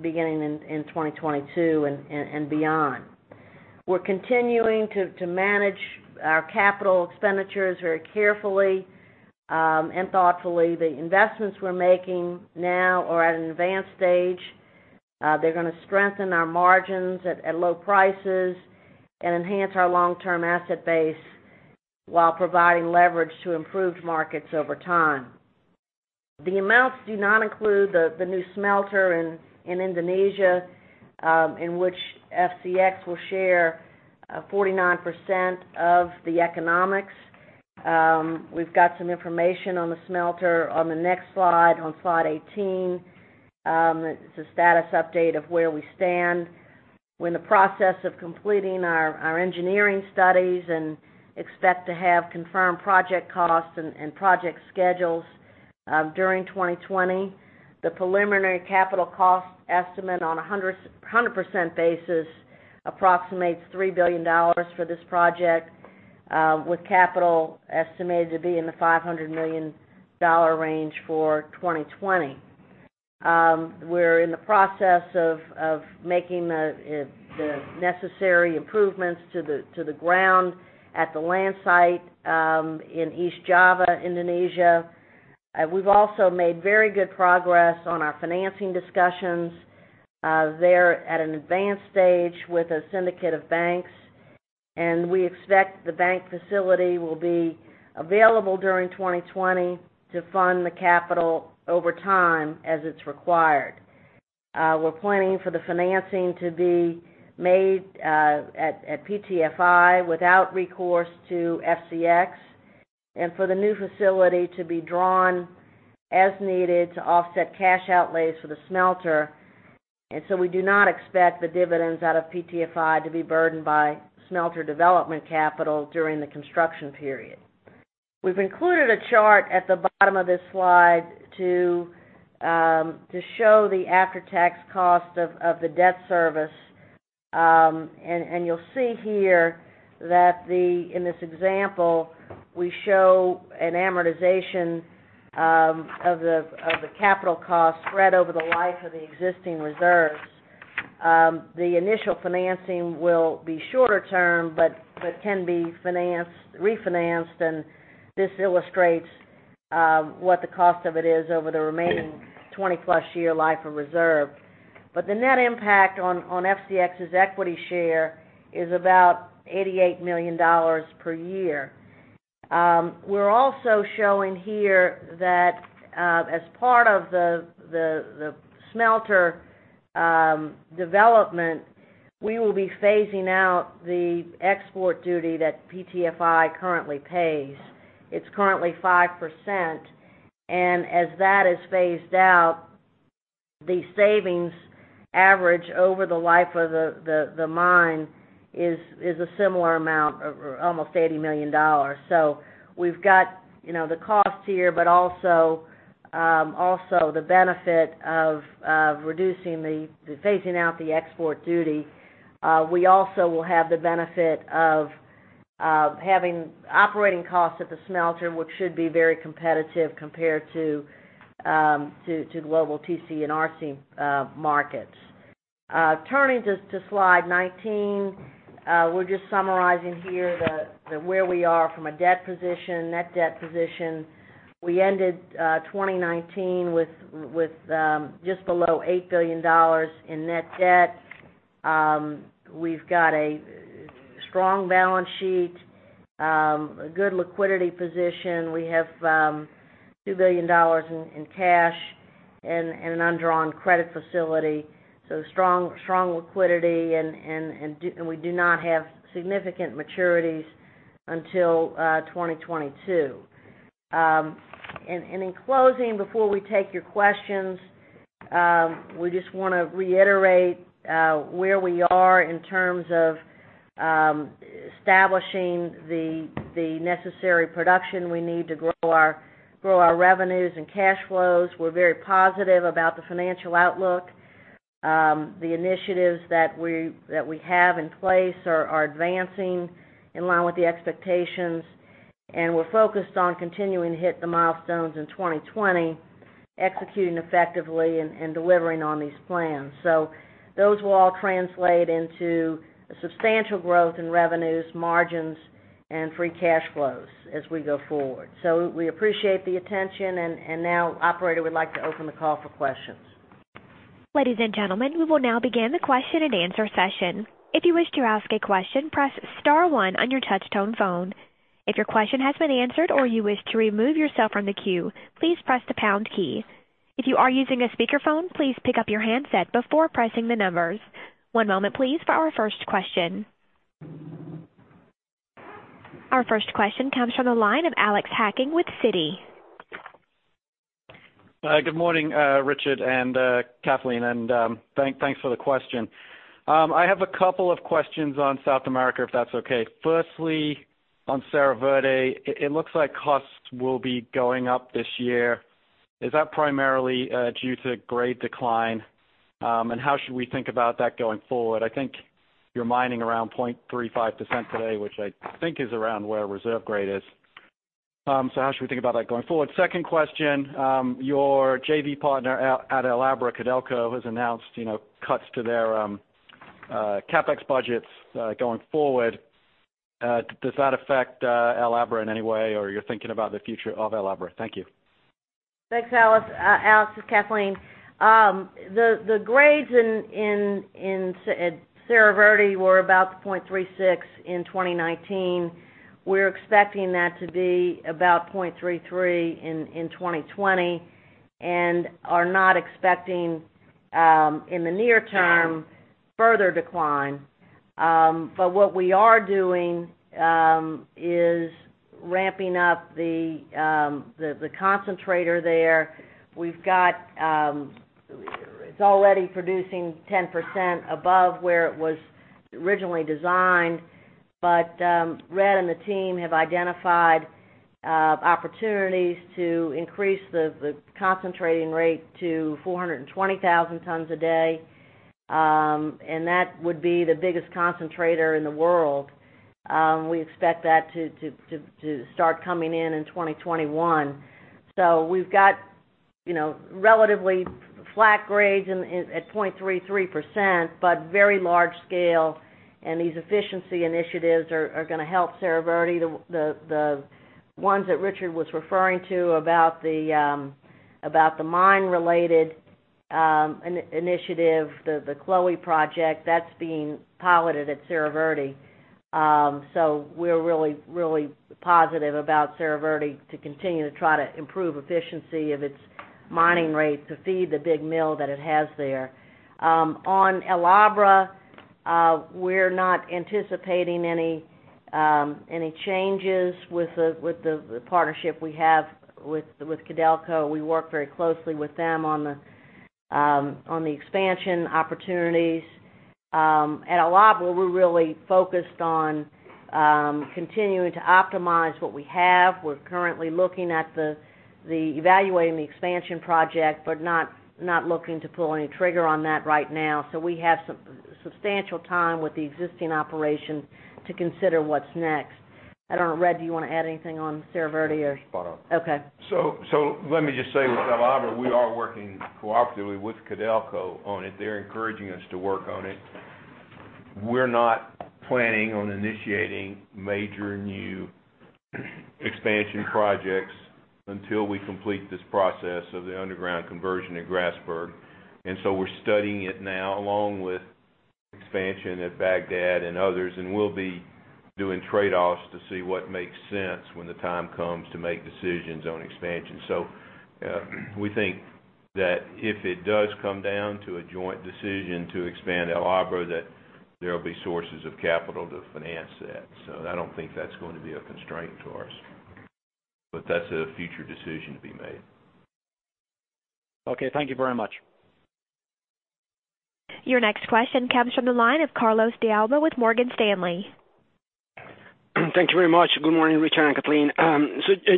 beginning in 2022 and beyond. We're continuing to manage our capital expenditures very carefully and thoughtfully. The investments we're making now are at an advanced stage. They're going to strengthen our margins at low prices and enhance our long-term asset base while providing leverage to improved markets over time. The amounts do not include the new smelter in Indonesia, in which FCX will share 49% of the economics. We've got some information on the smelter on the next slide, on slide 18. It's a status update of where we stand. We're in the process of completing our engineering studies and expect to have confirmed project costs and project schedules during 2020. The preliminary capital cost estimate on 100% basis approximates $3 billion for this project, with capital estimated to be in the $500 million range for 2020. We're in the process of making the necessary improvements to the ground at the land site in East Java, Indonesia. We've also made very good progress on our financing discussions. They're at an advanced stage with a syndicate of banks. We expect the bank facility will be available during 2020 to fund the capital over time as it's required. We're planning for the financing to be made at PTFI without recourse to FCX and for the new facility to be drawn as needed to offset cash outlays for the smelter. We do not expect the dividends out of PTFI to be burdened by smelter development capital during the construction period. We've included a chart at the bottom of this slide to show the after-tax cost of the debt service. You'll see here that in this example, we show an amortization of the capital cost spread over the life of the existing reserves. The initial financing will be shorter term, but can be refinanced, and this illustrates what the cost of it is over the remaining 20+ year life of reserve. The net impact on FCX's equity share is about $88 million per year. We're also showing here that as part of the smelter development, we will be phasing out the export duty that PTFI currently pays. It's currently 5%, and as that is phased out, the savings average over the life of the mine is a similar amount of almost $80 million. We've got the cost here, but also the benefit of reducing, phasing out the export duty. We also will have the benefit of having operating costs at the smelter, which should be very competitive compared to global TC and RC markets. Turning to slide 19, we're just summarizing here where we are from a net debt position. We ended 2019 with just below $8 billion in net debt. We've got a strong balance sheet, a good liquidity position. We have $2 billion in cash and an undrawn credit facility. Strong liquidity, we do not have significant maturities until 2022. In closing, before we take your questions, we just want to reiterate where we are in terms of establishing the necessary production we need to grow our revenues and cash flows. We're very positive about the financial outlook. The initiatives that we have in place are advancing in line with the expectations, and we're focused on continuing to hit the milestones in 2020, executing effectively and delivering on these plans. Those will all translate into a substantial growth in revenues, margins, and free cash flows as we go forward. We appreciate the attention. Now, operator, we'd like to open the call for questions.
Ladies and gentlemen, we will now begin the question and answer session. If you wish to ask a question, press star one on your touch-tone phone. If your question has been answered or you wish to remove yourself from the queue, please press the pound key. If you are using a speakerphone, please pick up your handset before pressing the numbers. One moment please, for our first question. Our first question comes from the line of Alex Hacking with Citi.
Hi. Good morning, Richard and Kathleen, and thanks for the question. I have a couple of questions on South America, if that's okay. Firstly, on Cerro Verde, it looks like costs will be going up this year. Is that primarily due to grade decline? How should we think about that going forward? I think you're mining around 0.35% today, which I think is around where reserve grade is. How should we think about that going forward? Second question, your JV partner at El Abra, Codelco, has announced cuts to their CapEx budgets going forward. Does that affect El Abra in any way, or you're thinking about the future of El Abra? Thank you.
Thanks, Alex. This is Kathleen. The grades at Cerro Verde were about 0.36% in 2019. We're expecting that to be about 0.33% in 2020 and are not expecting, in the near term, further decline. What we are doing is ramping up the concentrator there. It's already producing 10% above where it was originally designed, but Red and the team have identified opportunities to increase the concentrating rate to 420,000 tons a day. That would be the biggest concentrator in the world. We expect that to start coming in in 2021. We've got relatively flat grades at 0.33%, but very large scale, and these efficiency initiatives are going to help Cerro Verde. The ones that Richard was referring to about the mine-related initiative, the CLOE project, that's being piloted at Cerro Verde. We're really positive about Cerro Verde to continue to try to improve efficiency of its mining rate to feed the big mill that it has there. On El Abra, we're not anticipating any changes with the partnership we have with Codelco. We work very closely with them on the expansion opportunities. At El Abra, we're really focused on continuing to optimize what we have. We're currently looking at evaluating the expansion project, but not looking to pull any trigger on that right now. We have some substantial time with the existing operation to consider what's next. I don't know, Red, do you want to add anything on Cerro Verde or?
Spot on.
Okay.
Let me just say, with El Abra, we are working cooperatively with Codelco on it. They're encouraging us to work on it. We're not planning on initiating major new expansion projects until we complete this process of the underground conversion at Grasberg. We're studying it now, along with expansion at Bagdad and others, and we'll be doing trade-offs to see what makes sense when the time comes to make decisions on expansion. We think that if it does come down to a joint decision to expand El Abra, that there'll be sources of capital to finance that. I don't think that's going to be a constraint to us. That's a future decision to be made.
Okay. Thank you very much.
Your next question comes from the line of Carlos De Alba with Morgan Stanley.
Thank you very much. Good morning, Richard and Kathleen.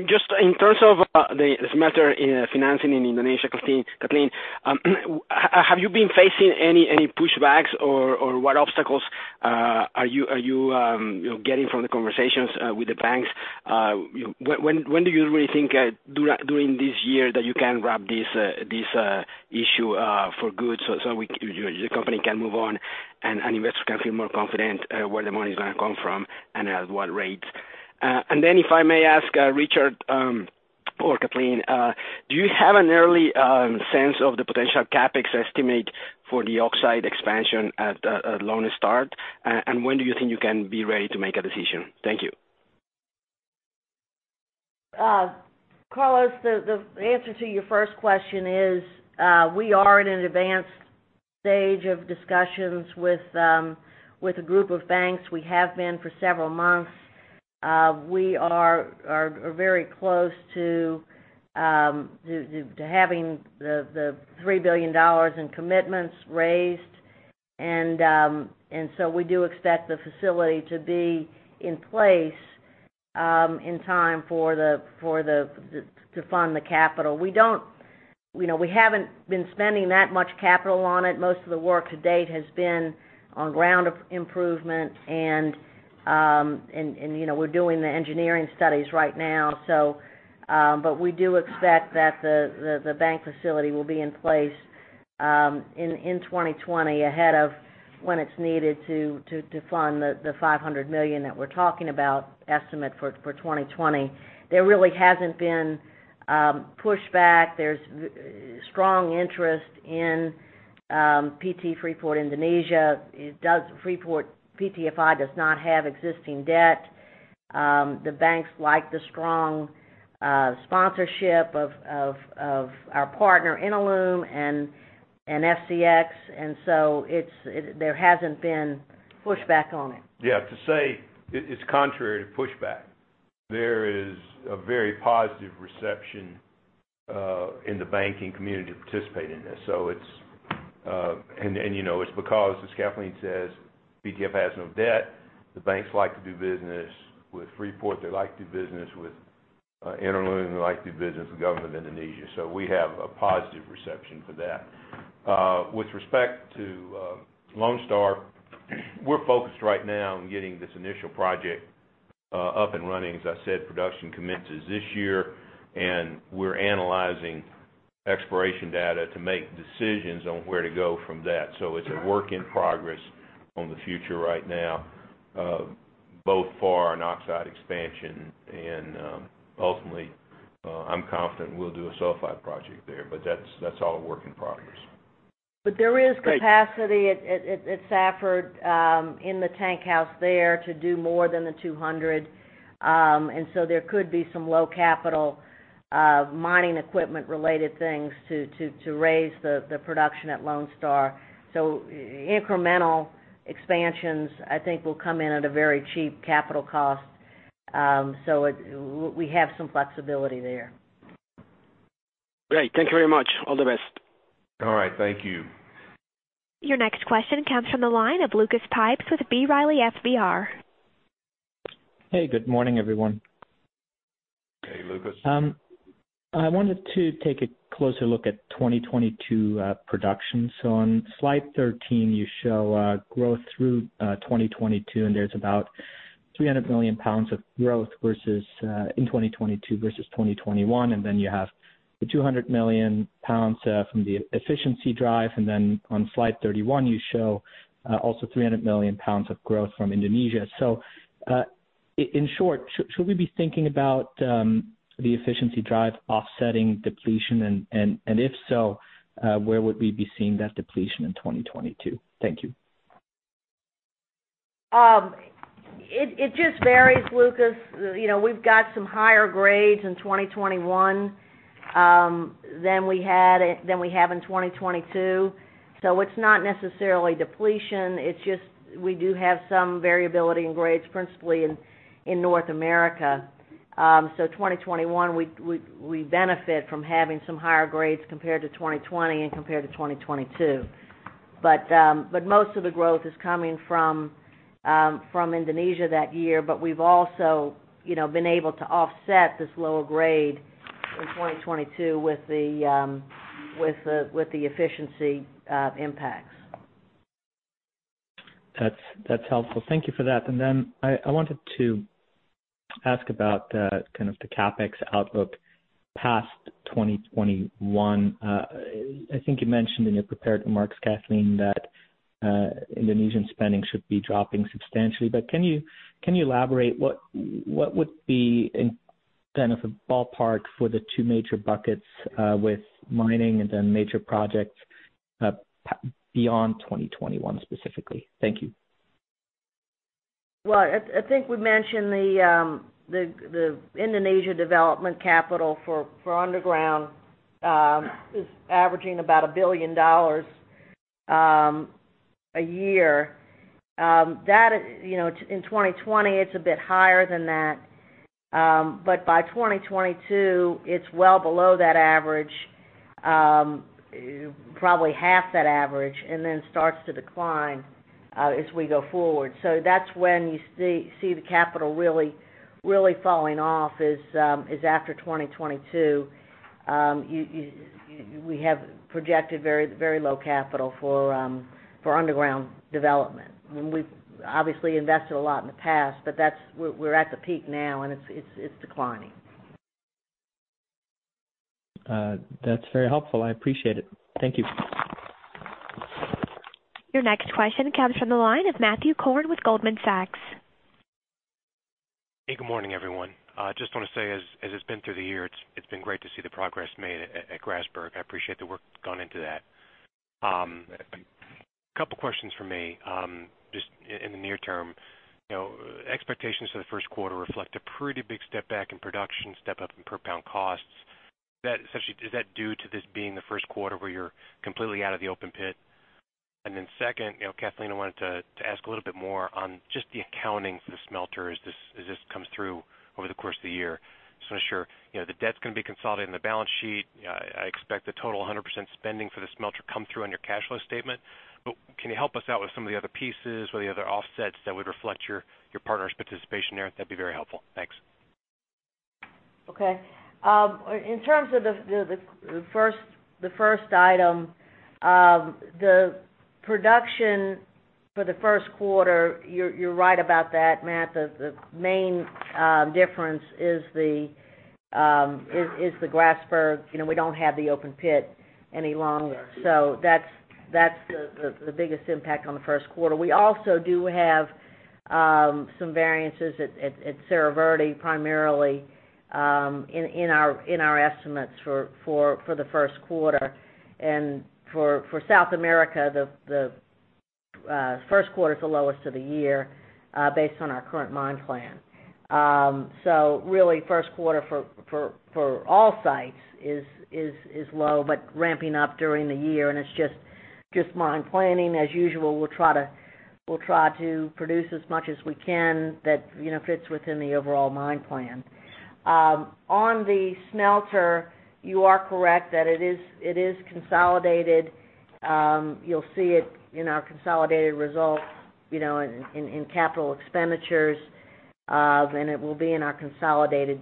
Just in terms of the smelter financing in Indonesia, Kathleen, have you been facing any pushbacks, or what obstacles are you getting from the conversations with the banks? When do you really think during this year that you can wrap this issue for good so the company can move on, and investors can feel more confident where the money is going to come from and at what rates? If I may ask, Richard or Kathleen, do you have an early sense of the potential CapEx estimate for the oxide expansion at Lone Star? When do you think you can be ready to make a decision? Thank you.
Carlos, the answer to your first question is, we are at an advanced stage of discussions with a group of banks. We have been for several months. We are very close to having the $3 billion in commitments raised. We do expect the facility to be in place in time to fund the capital. We haven't been spending that much capital on it. Most of the work to date has been on ground improvement and we're doing the engineering studies right now. We do expect that the bank facility will be in place in 2020 ahead of when it's needed to fund the $500 million that we're talking about, estimate for 2020. There really hasn't been pushback. There's strong interest in PT Freeport Indonesia. PTFI does not have existing debt. The banks like the strong sponsorship of our partner, INALUM, and FCX, and so there hasn't been pushback on it.
Yeah. To say it's contrary to pushback. There is a very positive reception in the banking community to participate in this. It's because, as Kathleen says, PTFI has no debt. The banks like to do business with Freeport, they like to do business with INALUM, they like to do business with the government of Indonesia. We have a positive reception for that. With respect to Lone Star, we're focused right now on getting this initial project up and running. As I said, production commences this year, and we're analyzing exploration data to make decisions on where to go from that. It's a work in progress on the future right now both for an oxide expansion and ultimately, I'm confident we'll do a sulfide project there, but that's all a work in progress.
There is capacity at Safford in the tank house there to do more than the 200. There could be some low capital mining equipment-related things to raise the production at Lone Star. Incremental expansions, I think, will come in at a very cheap capital cost. We have some flexibility there.
Great. Thank you very much. All the best.
All right. Thank you.
Your next question comes from the line of Lucas Pipes with B. Riley FBR.
Hey, good morning, everyone.
Hey, Lucas.
I wanted to take a closer look at 2022 production. On slide 13, you show growth through 2022, and there's about 300 million lbs of growth in 2022 versus 2021. Then you have the 200 million lbs from the efficiency drive. Then on slide 31, you show also 300 million lbs of growth from Indonesia. In short, should we be thinking about the efficiency drive offsetting depletion? If so, where would we be seeing that depletion in 2022? Thank you.
It just varies, Lucas. We've got some higher grades in 2021 than we have in 2022. It's not necessarily depletion, it's just we do have some variability in grades, principally in North America. 2021, we benefit from having some higher grades compared to 2020 and compared to 2022. Most of the growth is coming from Indonesia that year. We've also been able to offset this lower grade in 2022 with the efficiency impacts.
That's helpful. Thank you for that. I wanted to ask about the CapEx outlook past 2021. I think you mentioned in your prepared remarks, Kathleen, that Indonesian spending should be dropping substantially. Can you elaborate what would be a ballpark for the two major buckets with mining and then major projects beyond 2021 specifically? Thank you.
Well, I think we mentioned the Indonesia development capital for underground is averaging about a billion dollars a year. In 2020, it's a bit higher than that. By 2022, it's well below that average, probably half that average, starts to decline as we go forward. That's when you see the capital really falling off is after 2022. We have projected very low capital for underground development. We've obviously invested a lot in the past, but we're at the peak now and it's declining.
That's very helpful. I appreciate it. Thank you.
Your next question comes from the line of Matthew Korn with Goldman Sachs.
Hey, good morning, everyone. Just want to say, as it's been through the year, it's been great to see the progress made at Grasberg. I appreciate the work gone into that. A couple questions from me. In the near term, expectations for the first quarter reflect a pretty big step back in production, step up in per pound costs. Especially, is that due to this being the first quarter where you're completely out of the open pit? Second, Kathleen, I wanted to ask a little bit more on just the accounting for the smelter as this comes through over the course of the year. I'm sure the debt's going to be consolidated on the balance sheet. I expect the total 100% spending for the smelter come through on your cash flow statement. Can you help us out with some of the other pieces or the other offsets that would reflect your partner's participation there? That'd be very helpful. Thanks.
Okay. In terms of the first item, the production for the first quarter, you're right about that, Matt. The main difference is the Grasberg. We don't have the open pit any longer. That's the biggest impact on the first quarter. We also do have some variances at Cerro Verde, primarily, in our estimates for the first quarter. For South America, the first quarter is the lowest of the year based on our current mine plan. Really first quarter for all sites is low, but ramping up during the year, and it's just mine planning as usual. We'll try to produce as much as we can that fits within the overall mine plan. On the smelter, you are correct that it is consolidated. You'll see it in our consolidated results, in capital expenditures, and it will be in our consolidated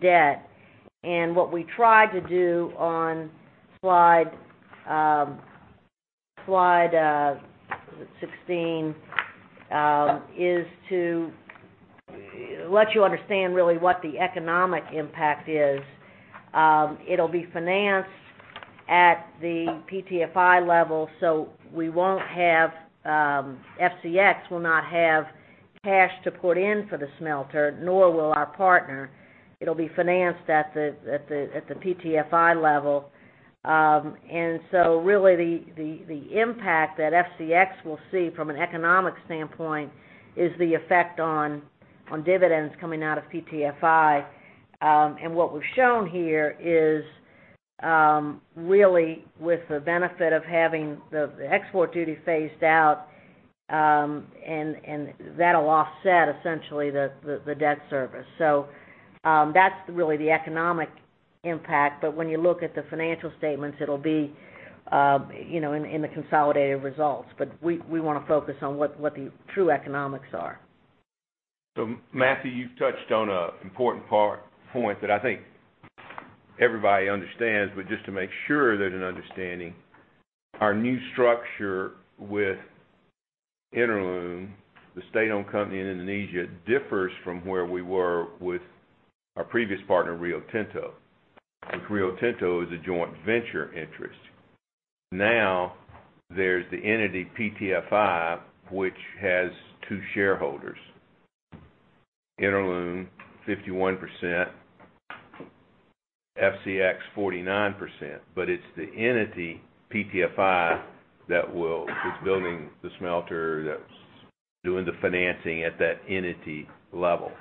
debt. What we tried to do on slide 16 is to let you understand really what the economic impact is. It'll be financed at the PTFI level, so FCX will not have cash to put in for the smelter, nor will our partner. It'll be financed at the PTFI level. Really the impact that FCX will see from an economic standpoint is the effect on dividends coming out of PTFI. What we've shown here is really with the benefit of having the export duty phased out, and that'll offset essentially the debt service. That's really the economic impact. When you look at the financial statements, it'll be in the consolidated results. We want to focus on what the true economics are.
Matthew, you've touched on a important point that I think everybody understands, but just to make sure they're understanding, our new structure with INALUM, the state-owned company in Indonesia, differs from where we were with our previous partner, Rio Tinto, because Rio Tinto is a joint venture interest. There's the entity PTFI, which has two shareholders, INALUM 51%, FCX 49%, but it's the entity, PTFI, that's building the smelter, that's doing the financing at that entity level.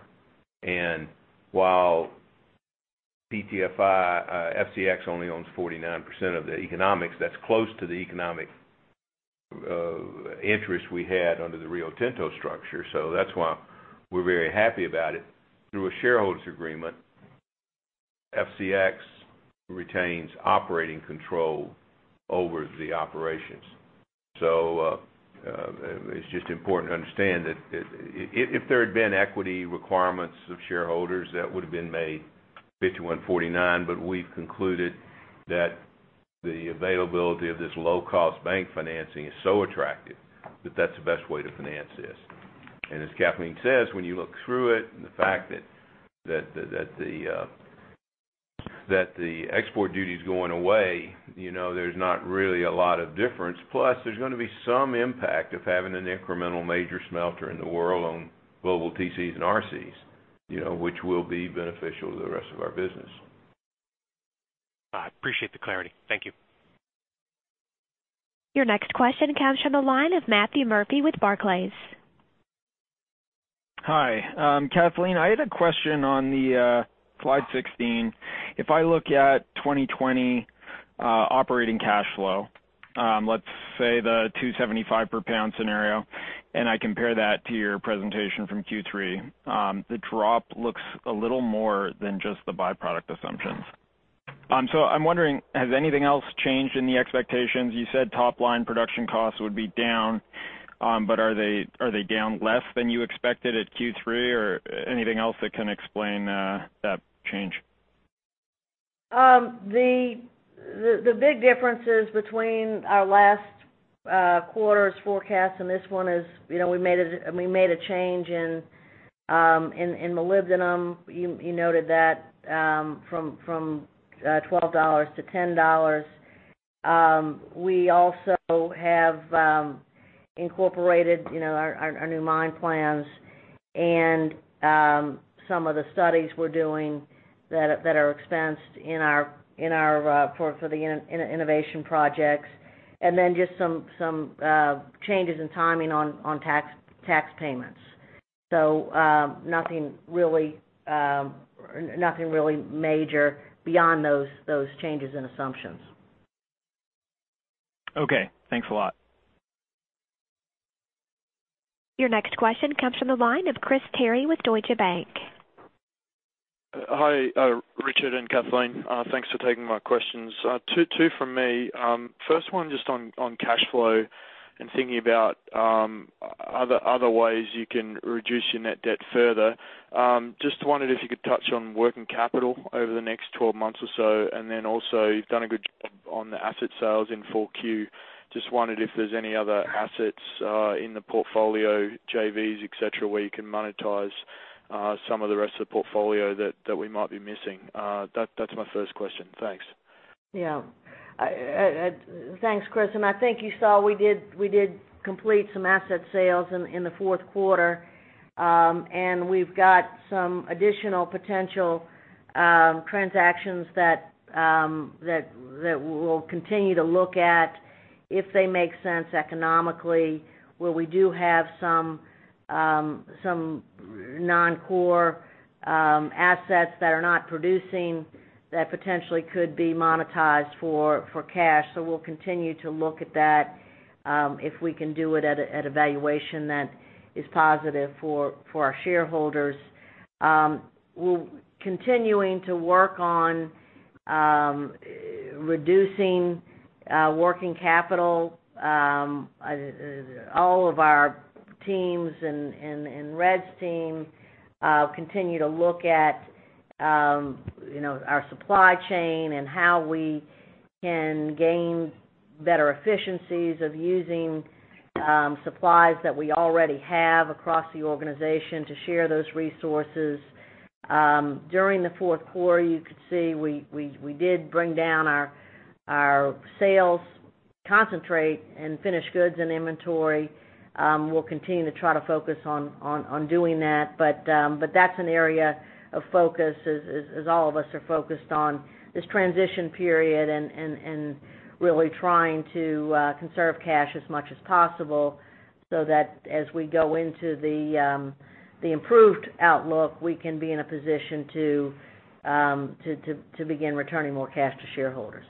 While FCX only owns 49% of the economics, that's close to the economic interest we had under the Rio Tinto structure. That's why we're very happy about it. Through a shareholders agreement, FCX retains operating control over the operations. It's just important to understand that if there had been equity requirements of shareholders, that would've been made 51%,49%, but we've concluded that the availability of this low-cost bank financing is so attractive that that's the best way to finance this. As Kathleen says, when you look through it and the fact that the export duty's going away, there's not really a lot of difference. There's going to be some impact of having an incremental major smelter in the world on global TCs and RCs, which will be beneficial to the rest of our business.
I appreciate the clarity. Thank you.
Your next question comes from the line of Matthew Murphy with Barclays.
Hi. Kathleen, I had a question on slide 16. I look at 2020 operating cash flow, let's say the $2.75/lb scenario, I compare that to your presentation from Q3. The drop looks a little more than just the byproduct assumptions. I'm wondering, has anything else changed in the expectations? You said top line production costs would be down. Are they down less than you expected at Q3, or anything else that can explain that change?
The big differences between our last quarter's forecast and this one is we made a change in molybdenum. You noted that, from $12 to $10. We also have incorporated our new mine plans and some of the studies we're doing that are expensed for the innovation projects. Then just some changes in timing on tax payments. So nothing really major beyond those changes in assumptions.
Okay, thanks a lot.
Your next question comes from the line of Chris Terry with Deutsche Bank.
Hi, Richard and Kathleen. Thanks for taking my questions. Two from me. First one just on cash flow and thinking about other ways you can reduce your net debt further. Just wondered if you could touch on working capital over the next 12 months or so, and then also you've done a good job on the asset sales in 4Q. Just wondered if there's any other assets in the portfolio, JVs, et cetera, where you can monetize some of the rest of the portfolio that we might be missing. That's my first question. Thanks.
Yeah. Thanks, Chris, I think you saw we did complete some asset sales in the fourth quarter. We've got some additional potential transactions that we'll continue to look at if they make sense economically, where we do have some non-core assets that are not producing that potentially could be monetized for cash. We'll continue to look at that if we can do it at a valuation that is positive for our shareholders. We're continuing to work on reducing working capital. All of our teams and Red's team continue to look at our supply chain and how we can gain better efficiencies of using supplies that we already have across the organization to share those resources. During the fourth quarter, you could see we did bring down our sales concentrate and finished goods and inventory. We'll continue to try to focus on doing that. That's an area of focus as all of us are focused on this transition period and really trying to conserve cash as much as possible, so that as we go into the improved outlook, we can be in a position to begin returning more cash to shareholders.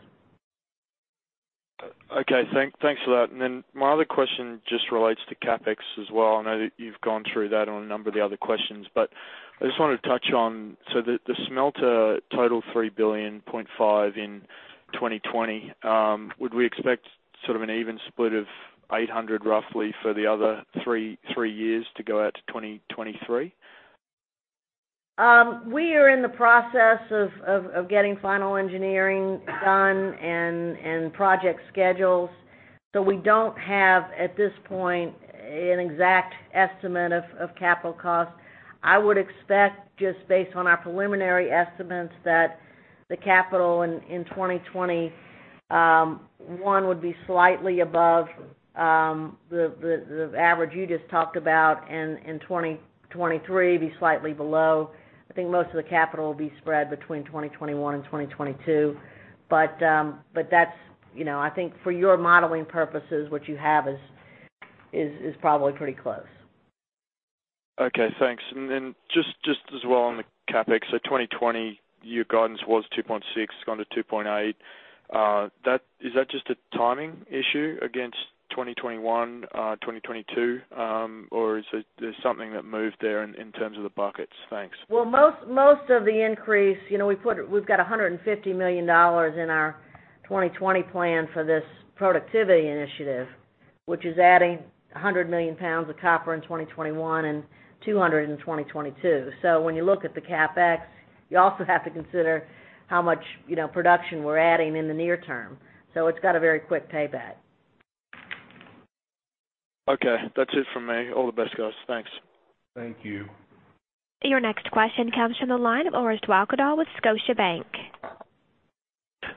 Okay, thanks for that. My other question just relates to CapEx as well. I know that you've gone through that on a number of the other questions, I just wanted to touch on the smelter total $3 billion, 0.5 in 2020. Would we expect sort of an even split of $800 roughly for the other three years to go out to 2023?
We are in the process of getting final engineering done and project schedules. We don't have, at this point, an exact estimate of capital costs. I would expect, just based on our preliminary estimates, that the capital in 2021 would be slightly above the average you just talked about, and in 2023, be slightly below. I think most of the capital will be spread between 2021 and 2022. That's, I think for your modeling purposes, what you have is probably pretty close.
Okay, thanks. Just as well on the CapEx, so 2020, your guidance was $2.6, it's gone to $2.8. Is that just a timing issue against 2021, 2022? Or is there something that moved there in terms of the buckets? Thanks.
Well, most of the increase, we've got $150 million in our 2020 plan for this productivity initiative, which is adding 100 million lbs of copper in 2021 and 200 million lbs in 2022. When you look at the CapEx, you also have to consider how much production we're adding in the near term. It's got a very quick payback.
Okay. That's it from me. All the best, guys. Thanks.
Thank you.
Your next question comes from the line of Orest Wowkodaw with Scotiabank.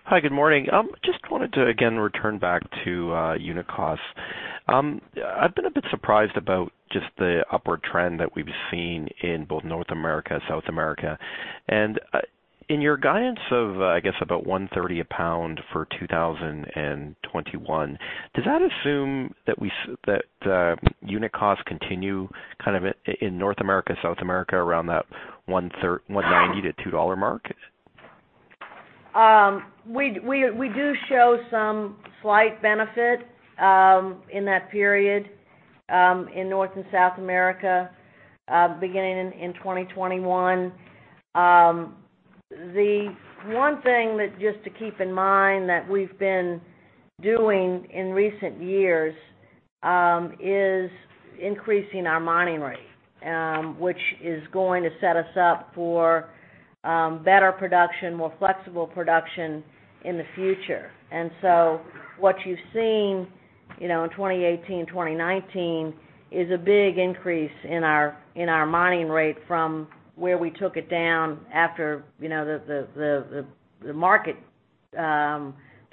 Hi, good morning. Just wanted to again return back to unit costs. I've been a bit surprised about just the upward trend that we've seen in both North America and South America. In your guidance of, I guess about $1.30/lb for 2021, does that assume that unit costs continue kind of in North America, South America around that $1.90-$2 mark?
We do show some slight benefit in that period, in North and South America, beginning in 2021. The one thing that just to keep in mind that we've been doing in recent years, is increasing our mining rate, which is going to set us up for better production, more flexible production in the future. What you've seen, in 2018, 2019, is a big increase in our mining rate from where we took it down after the market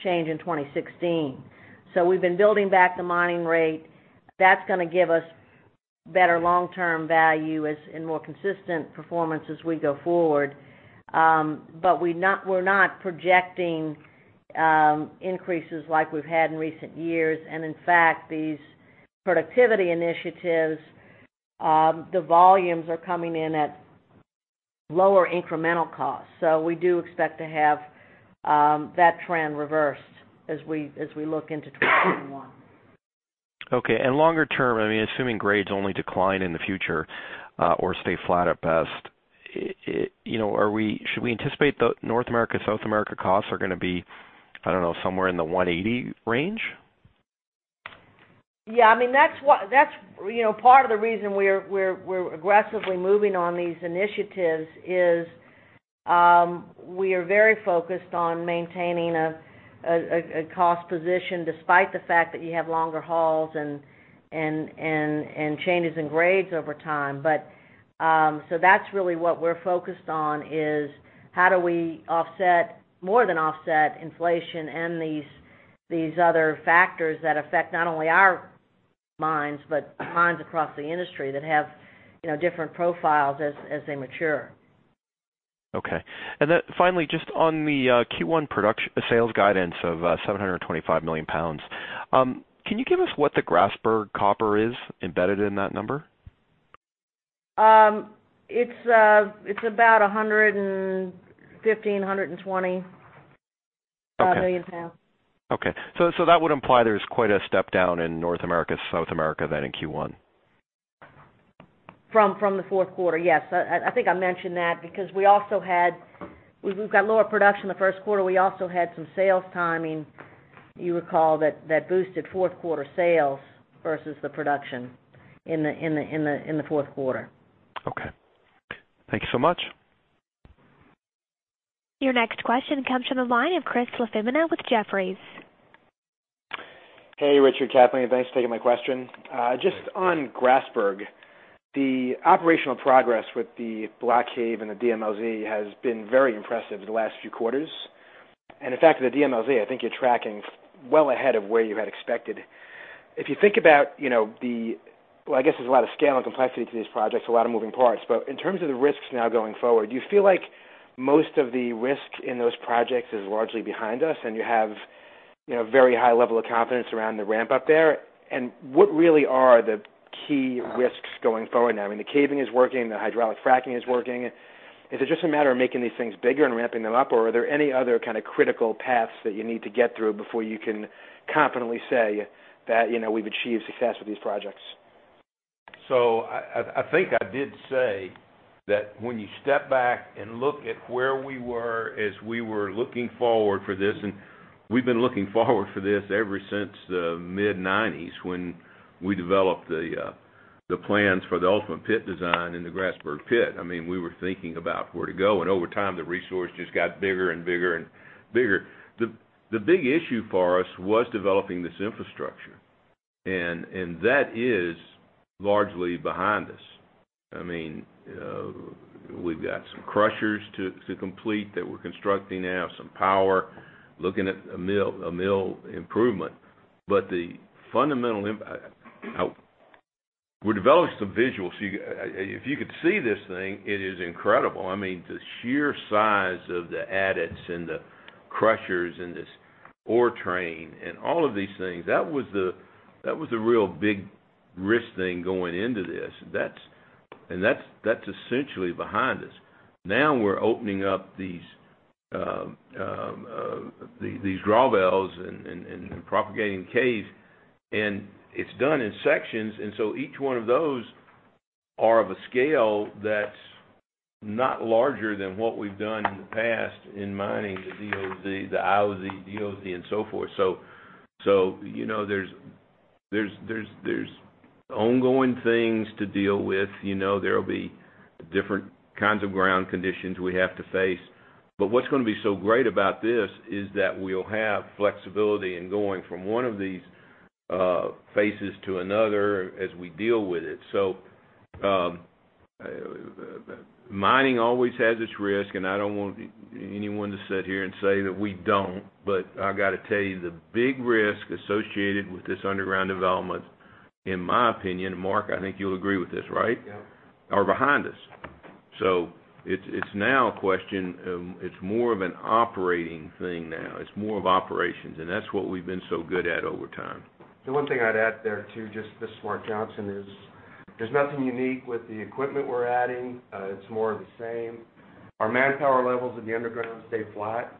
change in 2016. We've been building back the mining rate. That's going to give us better long-term value and more consistent performance as we go forward. We're not projecting increases like we've had in recent years. In fact, these productivity initiatives, the volumes are coming in at lower incremental costs. We do expect to have that trend reversed as we look into 2021.
Okay. Longer term, assuming grades only decline in the future, or stay flat at best, should we anticipate the North America, South America costs are going to be, I don't know, somewhere in the $1.80 range?
Yeah. Part of the reason we're aggressively moving on these initiatives is we are very focused on maintaining a cost position, despite the fact that you have longer hauls and changes in grades over time. That's really what we're focused on, is how do we more than offset inflation and these other factors that affect not only our mines, but mines across the industry that have different profiles as they mature.
Okay. Finally, just on the Q1 sales guidance of 725 million lbs. Can you give us what the Grasberg copper is embedded in that number?
It's about 115 million lbs-120 million lbs.
Okay. That would imply there's quite a step down in North America, South America then in Q1.
From the fourth quarter, yes. I think I mentioned that because we've got lower production in the first quarter. We also had some sales timing, you recall, that boosted fourth quarter sales versus the production in the fourth quarter.
Okay. Thank you so much.
Your next question comes from the line of Chris LaFemina with Jefferies.
Hey, Richard, Kathleen, thanks for taking my question. Just on Grasberg, the operational progress with the Block Cave and the DMLZ has been very impressive the last few quarters. In fact, the DMLZ, I think you're tracking well ahead of where you had expected. If you think about the Well, I guess there's a lot of scale and complexity to these projects, a lot of moving parts. In terms of the risks now going forward, do you feel like most of the risk in those projects is largely behind us, and you have very high level of confidence around the ramp-up there? What really are the key risks going forward now? I mean, the caving is working, the hydraulic fracturing is working. Is it just a matter of making these things bigger and ramping them up, or are there any other kind of critical paths that you need to get through before you can confidently say that we've achieved success with these projects?
I think I did say that when you step back and look at where we were as we were looking forward for this, and we've been looking forward for this ever since the mid-1990s, when we developed the plans for the ultimate pit design in the Grasberg pit. We were thinking about where to go, and over time, the resource just got bigger and bigger and bigger. The big issue for us was developing this infrastructure, and that is largely behind us. We've got some crushers to complete that we're constructing now, some power, looking at a mill improvement. We're developing some visuals. If you could see this thing, it is incredible. The sheer size of the adits and the crushers and this ore train and all of these things, that was the real big risk thing going into this. That's essentially behind us. We're opening up these drawbells and propagating the cave, and it's done in sections. Each one of those are of a scale that's not larger than what we've done in the past in mining the DOZ, the IOZ, DOZ and so forth. There's ongoing things to deal with. There'll be different kinds of ground conditions we have to face. What's going to be so great about this is that we'll have flexibility in going from one of these phases to another as we deal with it. Mining always has its risk, and I don't want anyone to sit here and say that we don't, but I got to tell you, the big risk associated with this underground development, in my opinion, Mark, I think you'll agree with this, right?
Yep.
Are behind us. It's now a question of it's more of an operating thing now. It's more of operations, and that's what we've been so good at over time.
The one thing I'd add there, too, just this is Mark Johnson, is there's nothing unique with the equipment we're adding. It's more of the same. Our manpower levels in the underground stay flat.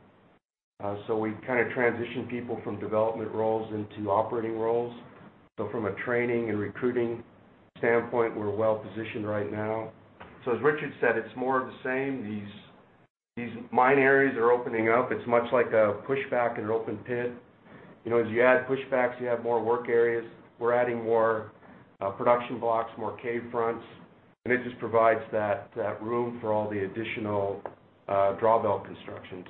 We kind of transition people from development roles into operating roles. From a training and recruiting standpoint, we're well-positioned right now. As Richard said, it's more of the same. These mine areas are opening up. It's much like a pushback in an open pit. As you add pushbacks, you have more work areas. We're adding more production blocks, more cave fronts, and it just provides that room for all the additional drawbell construction.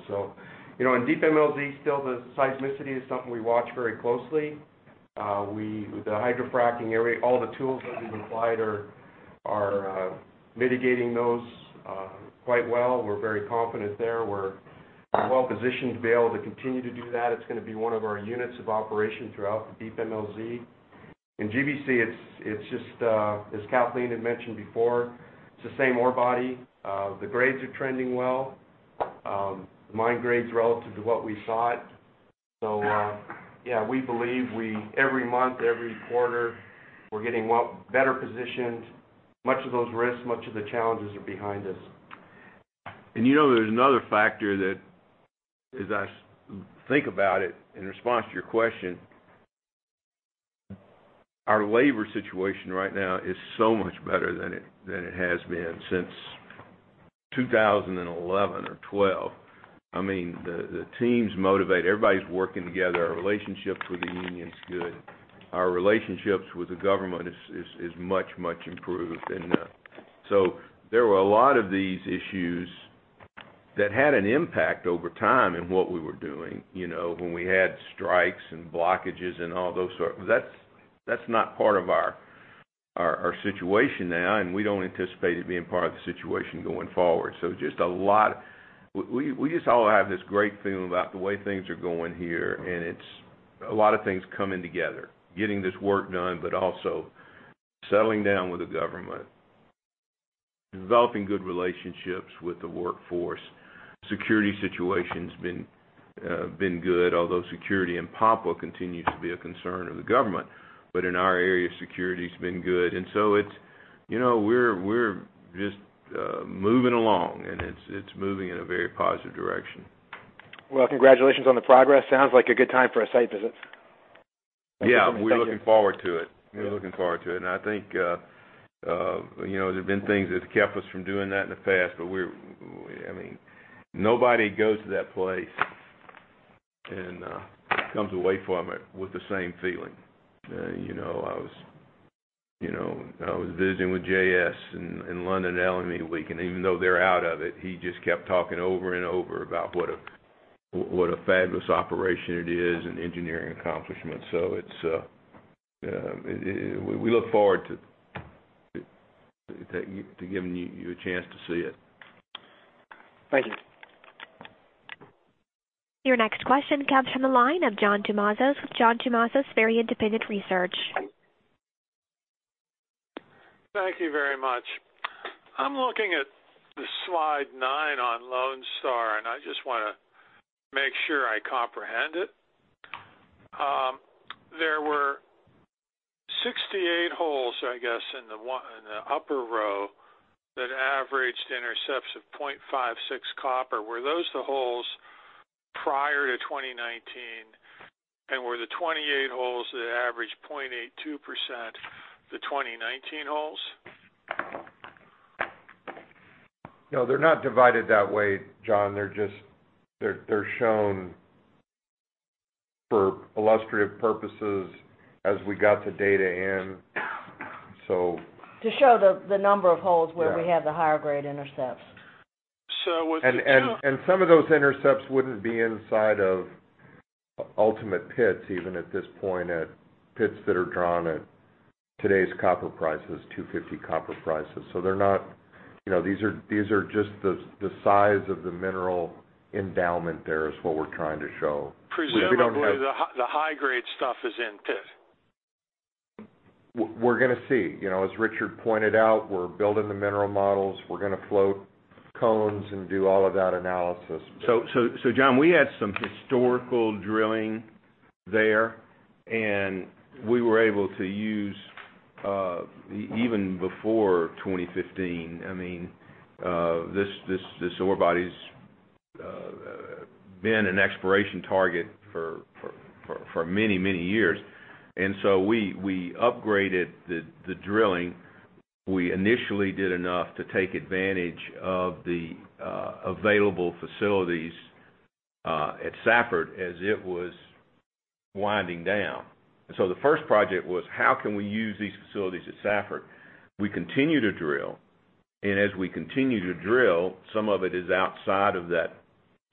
In Deep MLZ, still the seismicity is something we watch very closely. With the hydrofracking area, all the tools that we've applied are mitigating those quite well. We're very confident there. We're well-positioned to be able to continue to do that. It's going to be one of our units of operation throughout the Deep MLZ. In GBC, as Kathleen had mentioned before, it's the same ore body. The grades are trending well. The mine grades relative to what we thought. Yeah, we believe every month, every quarter, we're getting better positioned. Much of those risks, much of the challenges are behind us.
There's another factor that, as I think about it in response to your question, our labor situation right now is so much better than it has been since 2011 or 2012. The team's motivated. Everybody's working together. Our relationship with the union is good. Our relationships with the government is much improved. There were a lot of these issues that had an impact over time in what we were doing, when we had strikes and blockages. That's not part of our situation now, and we don't anticipate it being part of the situation going forward. We just all have this great feeling about the way things are going here, and it's a lot of things coming together, getting this work done, but also settling down with the government, developing good relationships with the workforce. Security situation's been good, although security in Papua continues to be a concern of the government. In our area, security's been good. We're just moving along, and it's moving in a very positive direction.
Congratulations on the progress. Sounds like a good time for a site visit.
Yeah. We're looking forward to it. I think there have been things that have kept us from doing that in the past. Nobody goes to that place and comes away from it with the same feeling. I was visiting with JS in London, LME week, and even though they're out of it, he just kept talking over and over about what a fabulous operation it is and engineering accomplishment. We look forward to giving you a chance to see it.
Thank you.
Your next question comes from the line of John Tumazos with John Tumazos Very Independent Research.
Thank you very much. I'm looking at the slide nine on Lone Star, and I just want to make sure I comprehend it. There were 68 holes, I guess, in the upper row that averaged intercepts of 0.56 copper. Were those the holes prior to 2019, and were the 28 holes that averaged 0.82% the 2019 holes?
No, they're not divided that way, John. They're shown for illustrative purposes as we got the data in.
To show the number of holes where we have the higher-grade intercepts.
So with the current-
Some of those intercepts wouldn't be inside of ultimate pits even at this point at pits that are drawn at today's copper prices, $2.50 copper prices. These are just the size of the mineral endowment there is what we're trying to show.
Presumably, the high-grade stuff is in pit.
We're going to see. As Richard pointed out, we're building the mineral models. We're going to float cones and do all of that analysis.
John, we had some historical drilling there, and we were able to use, even before 2015, this ore body's been an exploration target for many years. We upgraded the drilling. We initially did enough to take advantage of the available facilities at Safford as it was winding down. The first project was: how can we use these facilities at Safford? We continue to drill, and as we continue to drill, some of it is outside of that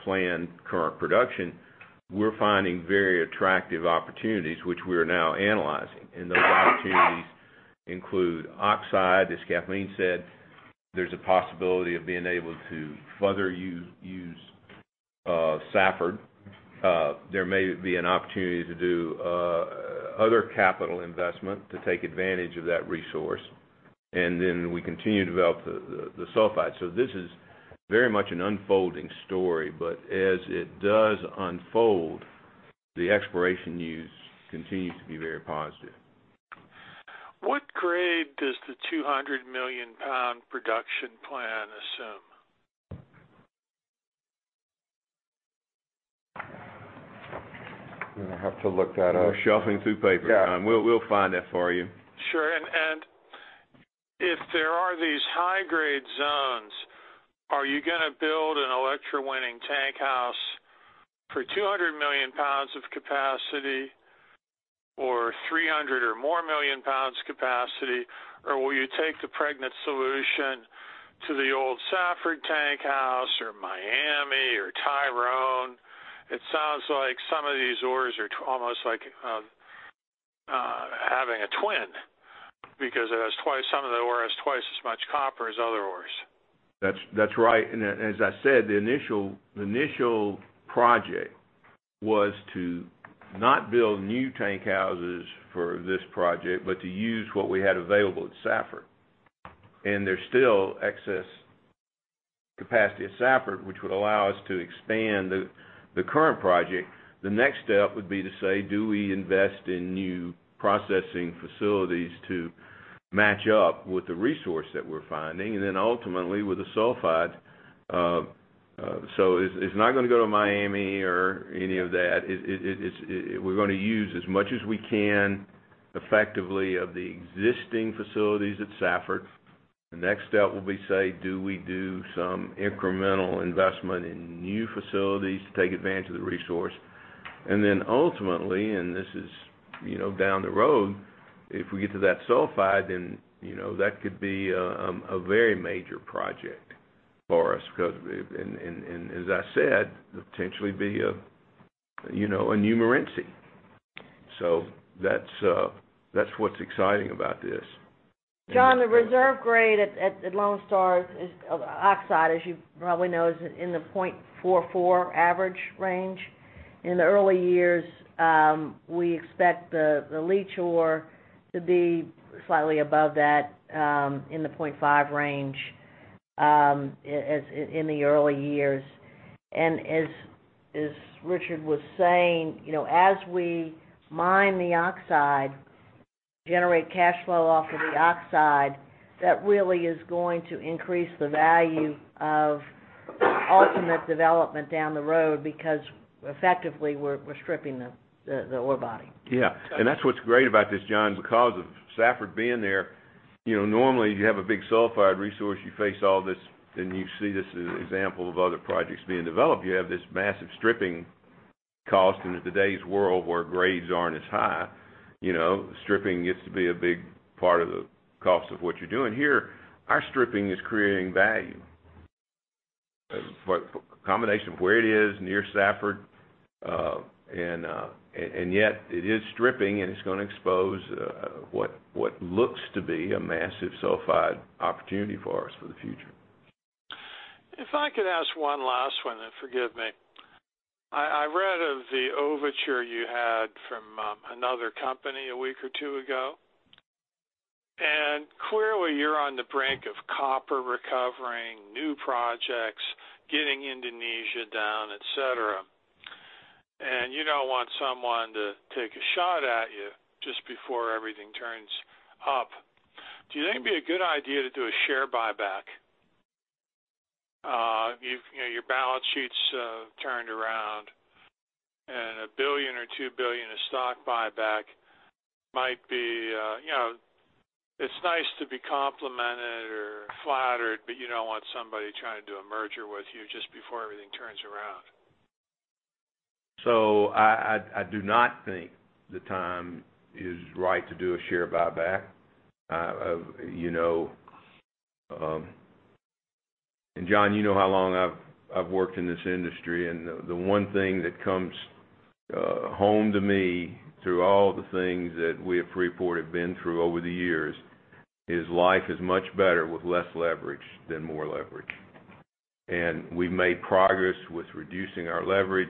planned current production. We're finding very attractive opportunities, which we are now analyzing. Those opportunities include oxide. As Kathleen said, there's a possibility of being able to further use Safford. There may be an opportunity to do other capital investment to take advantage of that resource. We continue to develop the sulfide. This is very much an unfolding story, but as it does unfold, the exploration news continues to be very positive.
What grade does the 200-million-lbs production plan assume?
I'm going to have to look that up.
We're shuffling through papers, John.
Yeah.
We'll find that for you.
Sure. If there are these high-grade zones, are you going to build an electrowinning tank house for 200 million lbs of capacity or 300 or more million lbs capacity, or will you take the pregnant solution to the old Safford tank house or Miami or Tyrone? It sounds like some of these ores are almost like a twin, because some of the ore has twice as much copper as other ores.
That's right. As I said, the initial project was to not build new tank houses for this project, but to use what we had available at Safford. There's still excess capacity at Safford, which would allow us to expand the current project. The next step would be to say, do we invest in new processing facilities to match up with the resource that we're finding, and then ultimately with the sulfide. It's not going to go to Miami or any of that. We're going to use as much as we can effectively of the existing facilities at Safford. The next step will be say, do we do some incremental investment in new facilities to take advantage of the resource? Ultimately, and this is down the road, if we get to that sulfide, that could be a very major project for us because, and as I said, potentially be a new Morenci. That's what's exciting about this.
John, the reserve grade at Lone Star is oxide, as you probably know, is in the 0.44 average range. In the early years, we expect the leach ore to be slightly above that, in the 0.5 range in the early years. As Richard was saying, as we mine the oxide, generate cash flow off of the oxide, that really is going to increase the value of ultimate development down the road because effectively, we're stripping the ore body.
Yeah. That's what's great about this, John, because of Safford being there. Normally, you have a big sulfide resource, you face all this, then you see this as an example of other projects being developed. You have this massive stripping cost, and in today's world where grades aren't as high, stripping gets to be a big part of the cost of what you're doing. Here, our stripping is creating value. For a combination of where it is near Safford, and yet it is stripping, and it's going to expose what looks to be a massive sulfide opportunity for us for the future.
If I could ask one last one, then forgive me. I read of the overture you had from another company a week or two ago. Clearly, you're on the brink of copper recovering, new projects, getting Indonesia down, et cetera. You don't want someone to take a shot at you just before everything turns up. Do you think it'd be a good idea to do a share buyback? Your balance sheet's turned around, and $1 billion or $2 billion of stock buyback might be. It's nice to be complimented or flattered, but you don't want somebody trying to do a merger with you just before everything turns around.
I do not think the time is right to do a share buyback. John, you know how long I've worked in this industry, and the one thing that comes home to me through all the things that we at Freeport have been through over the years is life is much better with less leverage than more leverage. We've made progress with reducing our leverage.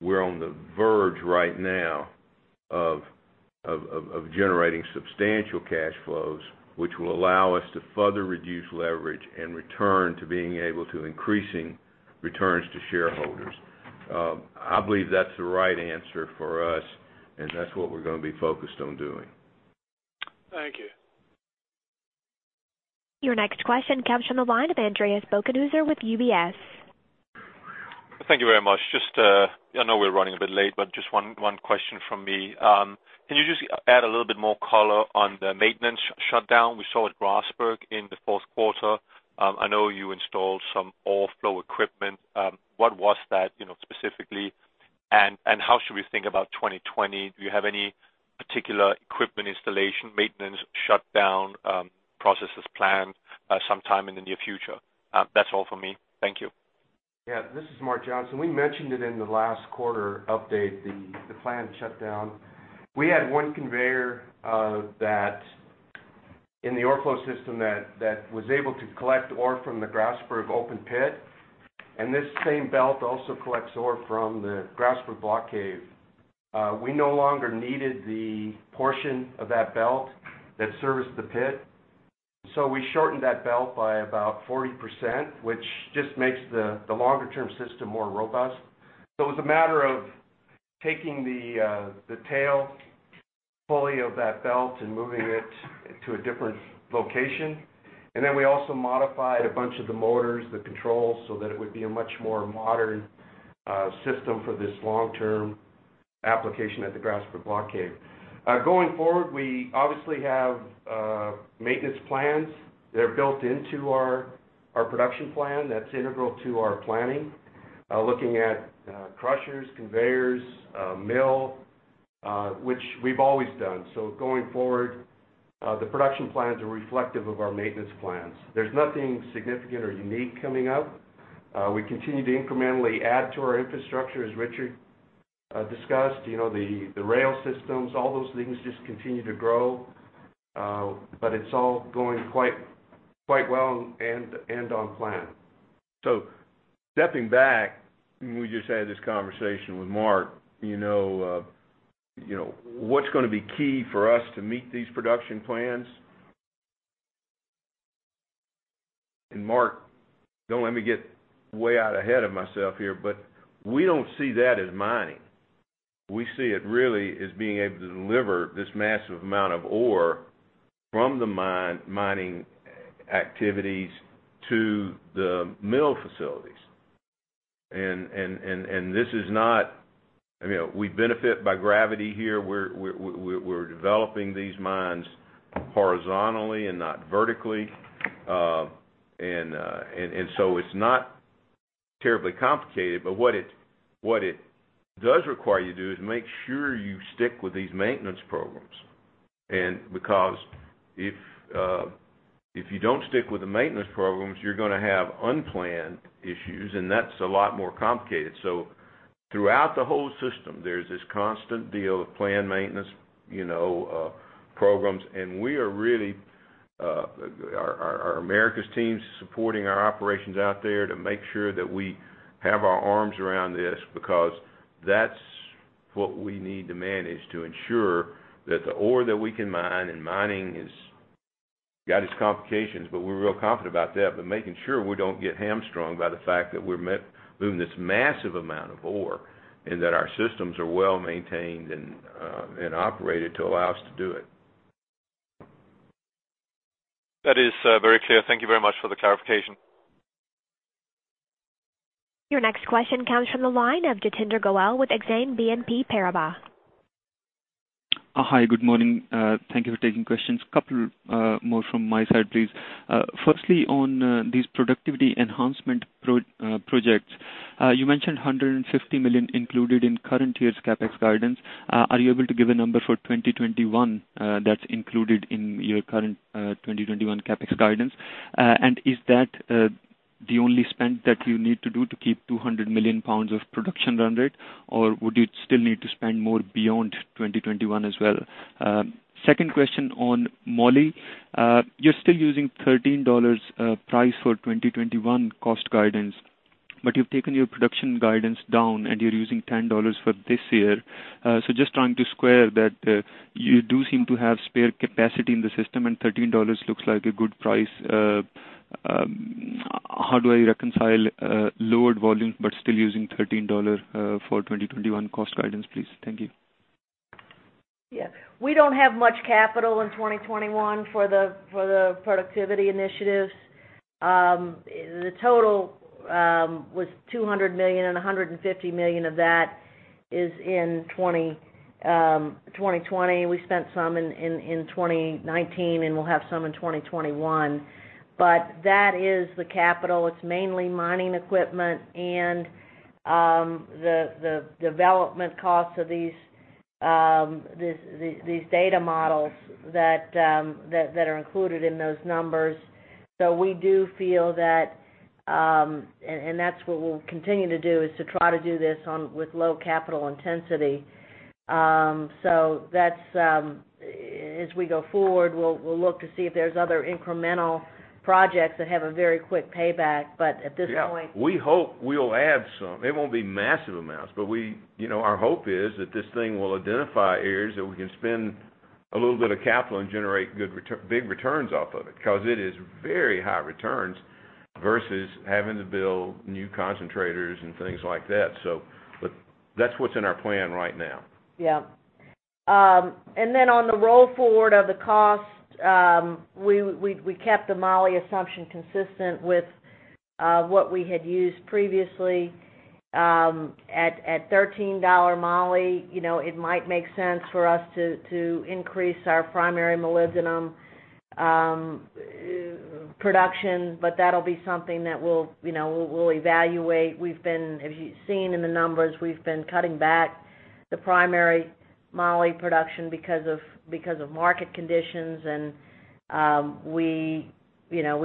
We're on the verge right now of generating substantial cash flows, which will allow us to further reduce leverage and return to being able to increasing returns to shareholders. I believe that's the right answer for us, and that's what we're going to be focused on doing.
Thank you.
Your next question comes from the line of Andreas Bokkenheuser with UBS.
Thank you very much. I know we're running a bit late, but just one question from me. Can you just add a little bit more color on the maintenance shutdown we saw at Grasberg in the fourth quarter? I know you installed some ore flow equipment. What was that specifically, and how should we think about 2020? Do you have any particular equipment installation, maintenance, shutdown, processes planned sometime in the near future? That's all from me. Thank you.
Yeah. This is Mark Johnson. We mentioned it in the last quarter update, the planned shutdown. We had one conveyor that in the ore flow system that was able to collect ore from the Grasberg open pit, and this same belt also collects ore from the Grasberg Block Cave. We no longer needed the portion of that belt that serviced the pit, we shortened that belt by about 40%, which just makes the longer-term system more robust. It was a matter of taking the tail pulley of that belt and moving it to a different location. We also modified a bunch of the motors, the controls, so that it would be a much more modern system for this long-term application at the Grasberg Block Cave. Going forward, we obviously have maintenance plans that are built into our production plan that's integral to our planning. Looking at crushers, conveyors, mill, which we've always done. Going forward, the production plans are reflective of our maintenance plans. There's nothing significant or unique coming up. We continue to incrementally add to our infrastructure, as Richard discussed, the rail systems, all those things just continue to grow. It's all going quite well and on plan.
Stepping back, we just had this conversation with Mark, what's going to be key for us to meet these production plans? Mark, don't let me get way out ahead of myself here, but we don't see that as mining. We see it really as being able to deliver this massive amount of ore from the mining activities to the mill facilities. We benefit by gravity here. We're developing these mines horizontally and not vertically. It's not terribly complicated, but what it does require you to do is make sure you stick with these maintenance programs. Because if you don't stick with the maintenance programs, you're going to have unplanned issues, and that's a lot more complicated. Throughout the whole system, there's this constant deal of planned maintenance programs, and our Americas team's supporting our operations out there to make sure that we have our arms around this, because that's what we need to manage to ensure that the ore that we can mine, and mining has got its complications, but we're real confident about that, but making sure we don't get hamstrung by the fact that we're moving this massive amount of ore and that our systems are well-maintained and operated to allow us to do it.
That is very clear. Thank you very much for the clarification.
Your next question comes from the line of Jatinder Goel with Exane BNP Paribas.
Hi, good morning. Thank you for taking questions. Couple more from my side, please. On these productivity enhancement projects, you mentioned $150 million included in current year's CapEx guidance. Are you able to give a number for 2021 that's included in your current 2021 CapEx guidance? Is that the only spend that you need to do to keep 200 million lbs of production run rate, or would you still need to spend more beyond 2021 as well? Second question on moly. You're still using $13 price for 2021 cost guidance, you've taken your production guidance down, you're using $10 for this year. Just trying to square that you do seem to have spare capacity in the system, $13 looks like a good price. How do I reconcile lowered volume still using $13 for 2021 cost guidance, please? Thank you.
Yeah. We don't have much capital in 2021 for the productivity initiatives. The total was $200 million, and $150 million of that is in 2020. We spent some in 2019, and we'll have some in 2021. That is the capital. It's mainly mining equipment and the development costs of these data models that are included in those numbers. We do feel that, and that's what we'll continue to do, is to try to do this with low capital intensity. As we go forward, we'll look to see if there's other incremental projects that have a very quick payback. At this point.
Yeah. We hope we'll add some. It won't be massive amounts, but our hope is that this thing will identify areas that we can spend a little bit of capital and generate big returns off of it, because it is very high returns versus having to build new concentrators and things like that. That's what's in our plan right now.
On the roll forward of the cost, we kept the moly assumption consistent with what we had used previously. At $13 moly, it might make sense for us to increase our primary molybdenum production, but that'll be something that we'll evaluate. As you've seen in the numbers, we've been cutting back the primary moly production because of market conditions, and we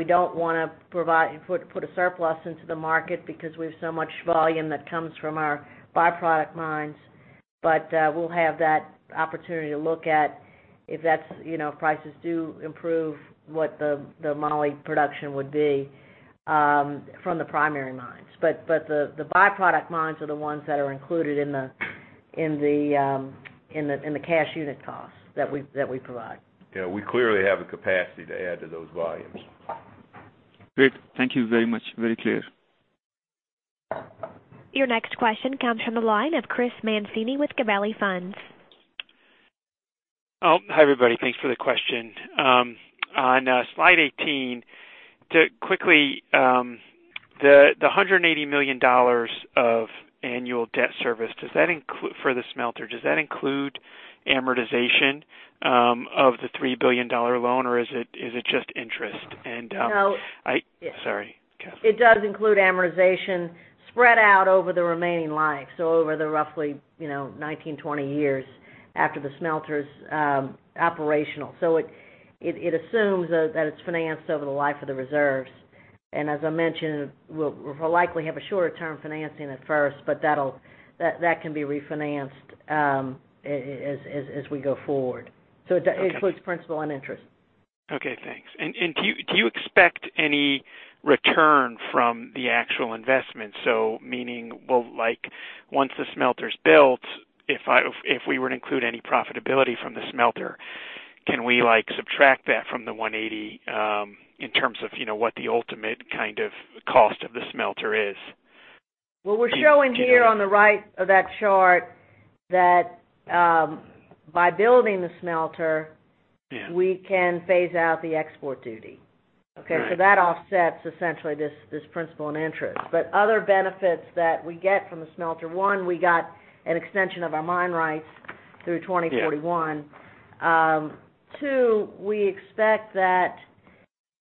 don't want to put a surplus into the market because we have so much volume that comes from our byproduct mines. We'll have that opportunity to look at if prices do improve, what the moly production would be from the primary mines. The byproduct mines are the ones that are included in the cash unit costs that we provide.
Yeah, we clearly have the capacity to add to those volumes.
Great. Thank you very much. Very clear.
Your next question comes from the line of Chris Mancini with Gabelli Funds.
Hi, everybody. Thanks for the question. On slide 18, quickly, the $180 million of annual debt service for the smelter, does that include amortization of the $3 billion loan, or is it just interest?
No.
Sorry.
It does include amortization spread out over the remaining life, over the roughly 19, 20 years after the smelter's operational. It assumes that it's financed over the life of the reserves. As I mentioned, we'll likely have a short term financing at first, but that can be refinanced as we go forward.
Okay.
It includes principal and interest.
Okay, thanks. Do you expect any return from the actual investment? Meaning, once the smelter's built, if we were to include any profitability from the smelter, can we subtract that from the $180 in terms of what the ultimate cost of the smelter is?
Well, we're showing here on the right of that chart that by building the smelter, we can phase out the export duty.
Right.
Okay. That offsets essentially this principal and interest. Other benefits that we get from the smelter, one, we got an extension of our mine rights through 2041.
Yeah.
Two, we expect that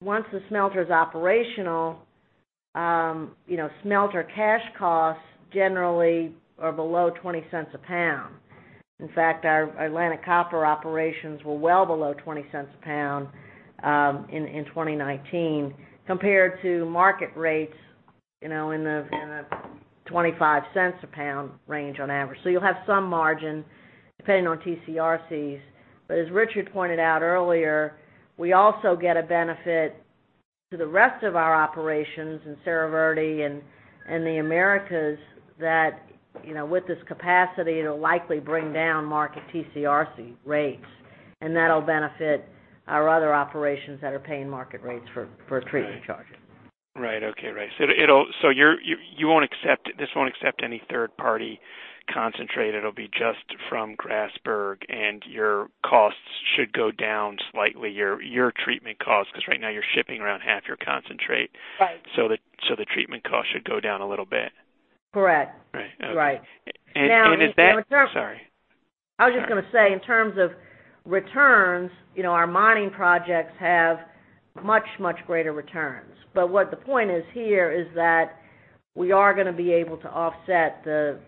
once the smelter is operational, smelter cash costs generally are below $0.20/lb. In fact, our Atlantic Copper operations were well below $0.20/lb in 2019 compared to market rates in the $0.25/lb range on average. You'll have some margin depending on TCRCs. As Richard pointed out earlier, we also get a benefit to the rest of our operations in Cerro Verde and the Americas that, with this capacity, it'll likely bring down market TCRC rates, and that'll benefit our other operations that are paying market rates for treatment charges.
Right. Okay. This won't accept any third-party concentrate. It'll be just from Grasberg, and your costs should go down slightly, your treatment costs, because right now, you're shipping around half your concentrate.
Right.
The treatment cost should go down a little bit.
Correct.
Right. Okay.
Right. Now.
Is that, Sorry.
I was just going to say, in terms of returns, our mining projects have much, much greater returns. What the point is here is that we are going to be able to offset the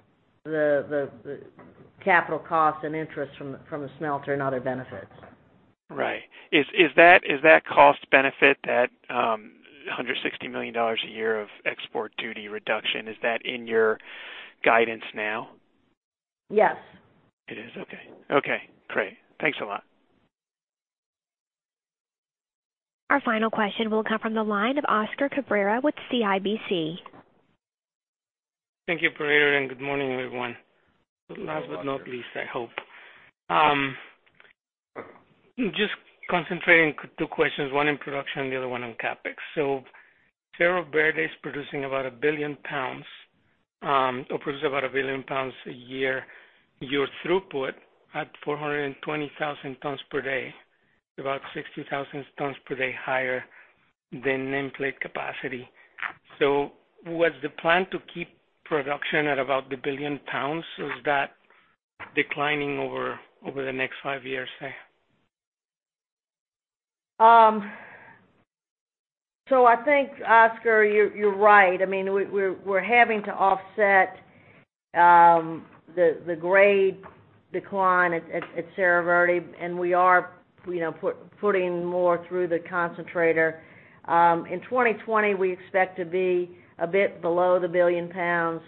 capital costs and interest from the smelter and other benefits.
Right. Is that cost benefit, that $160 million a year of export duty reduction, is that in your guidance now?
Yes.
It is? Okay. Great. Thanks a lot.
Our final question will come from the line of Oscar Cabrera with CIBC.
Thank you, operator. Good morning, everyone. Last but not least, I hope. Just concentrating two questions, one in production, the other one on CapEx. Cerro Verde is producing about a billion pounds or produces about a billion pounds a year. Your throughput at 420,000 tons per day, about 60,000 tons per day higher than nameplate capacity. Was the plan to keep production at about the billion pounds? Is that declining over the next five years, say?
I think, Oscar, you're right. We're having to offset the grade decline at Cerro Verde, and we are putting more through the concentrator. In 2020, we expect to be a bit below the billion pounds,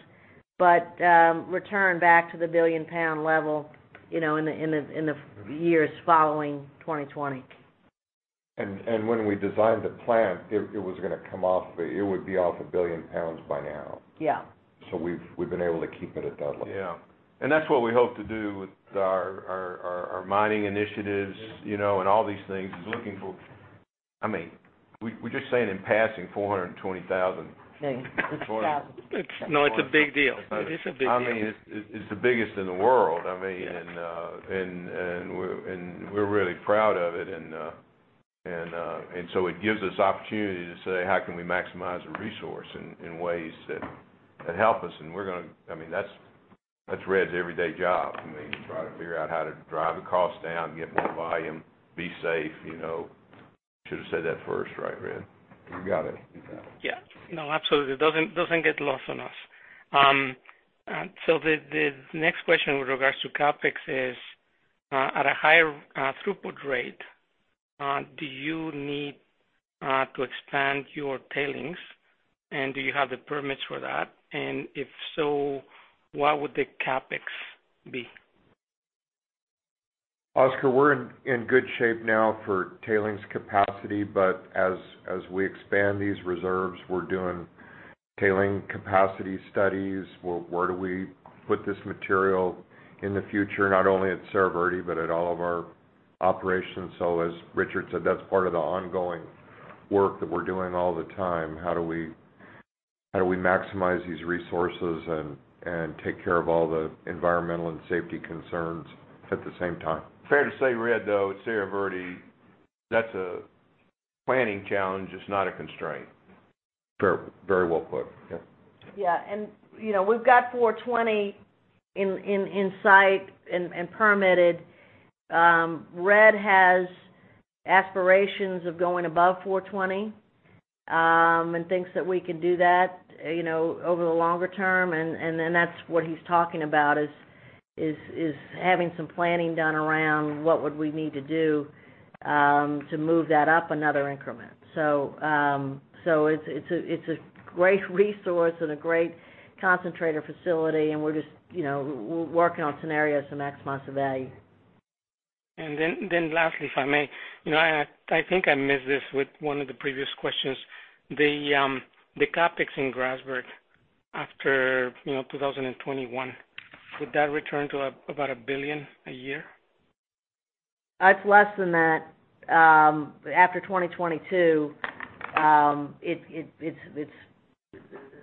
return back to the billion-pound level in the years following 2020.
When we designed the plant, it was going to come off, it would be off the billion pounds by now. We've been able to keep it at that level.
Yeah. That's what we hope to do with our mining initiatives, and all these things. We're just saying in passing 420,000.
Yeah.
No, it's a big deal. It is a big deal.
It's the biggest in the world.
Yeah.
We're really proud of it, so it gives us opportunity to say, "How can we maximize the resource in ways that help us?" That's Red's everyday job. To try to figure out how to drive the cost down, get more volume, be safe. Should have said that first, right, Red?
You got it.
Yeah. No, absolutely. It doesn't get lost on us. The next question with regards to CapEx is, at a higher throughput rate, do you need to expand your tailings? Do you have the permits for that? If so, what would the CapEx be?
Oscar, we're in good shape now for tailings capacity, but as we expand these reserves, we're doing tailing capacity studies. Where do we put this material in the future, not only at Cerro Verde but at all of our operations. As Richard said, that's part of the ongoing work that we're doing all the time. How do we maximize these resources and take care of all the environmental and safety concerns at the same time?
Fair to say, Red, though, at Cerro Verde, that's a planning challenge. It's not a constraint.
Very well put. Yeah.
Yeah. We've got 420,000 in sight and permitted. Red has aspirations of going above 420,000 and thinks that we can do that over the longer term. That's what he's talking about is having some planning done around what would we need to do to move that up another increment. It's a great resource and a great concentrator facility, and we're just working on scenarios to maximize the value.
Lastly, if I may. I think I missed this with one of the previous questions. The CapEx in Grasberg after 2021, would that return to about a billion a year?
It's less than that. After 2022, it's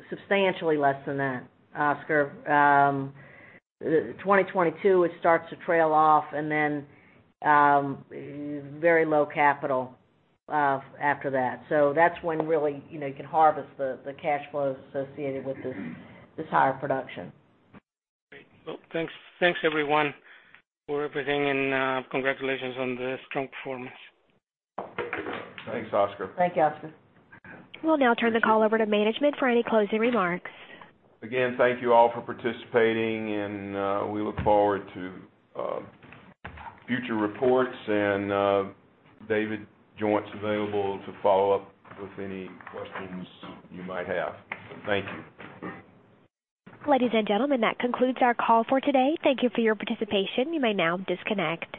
substantially less than that, Oscar. 2022, it starts to trail off and then very low capital after that. That's when really you can harvest the cash flows associated with this higher production.
Great. Well, thanks everyone for everything, and congratulations on the strong performance.
Thanks, Oscar.
Thank you, Oscar.
We'll now turn the call over to management for any closing remarks.
Thank you all for participating, and we look forward to future reports. David Joint is available to follow up with any questions you might have. Thank you.
Ladies and gentlemen, that concludes our call for today. Thank you for your participation. You may now disconnect.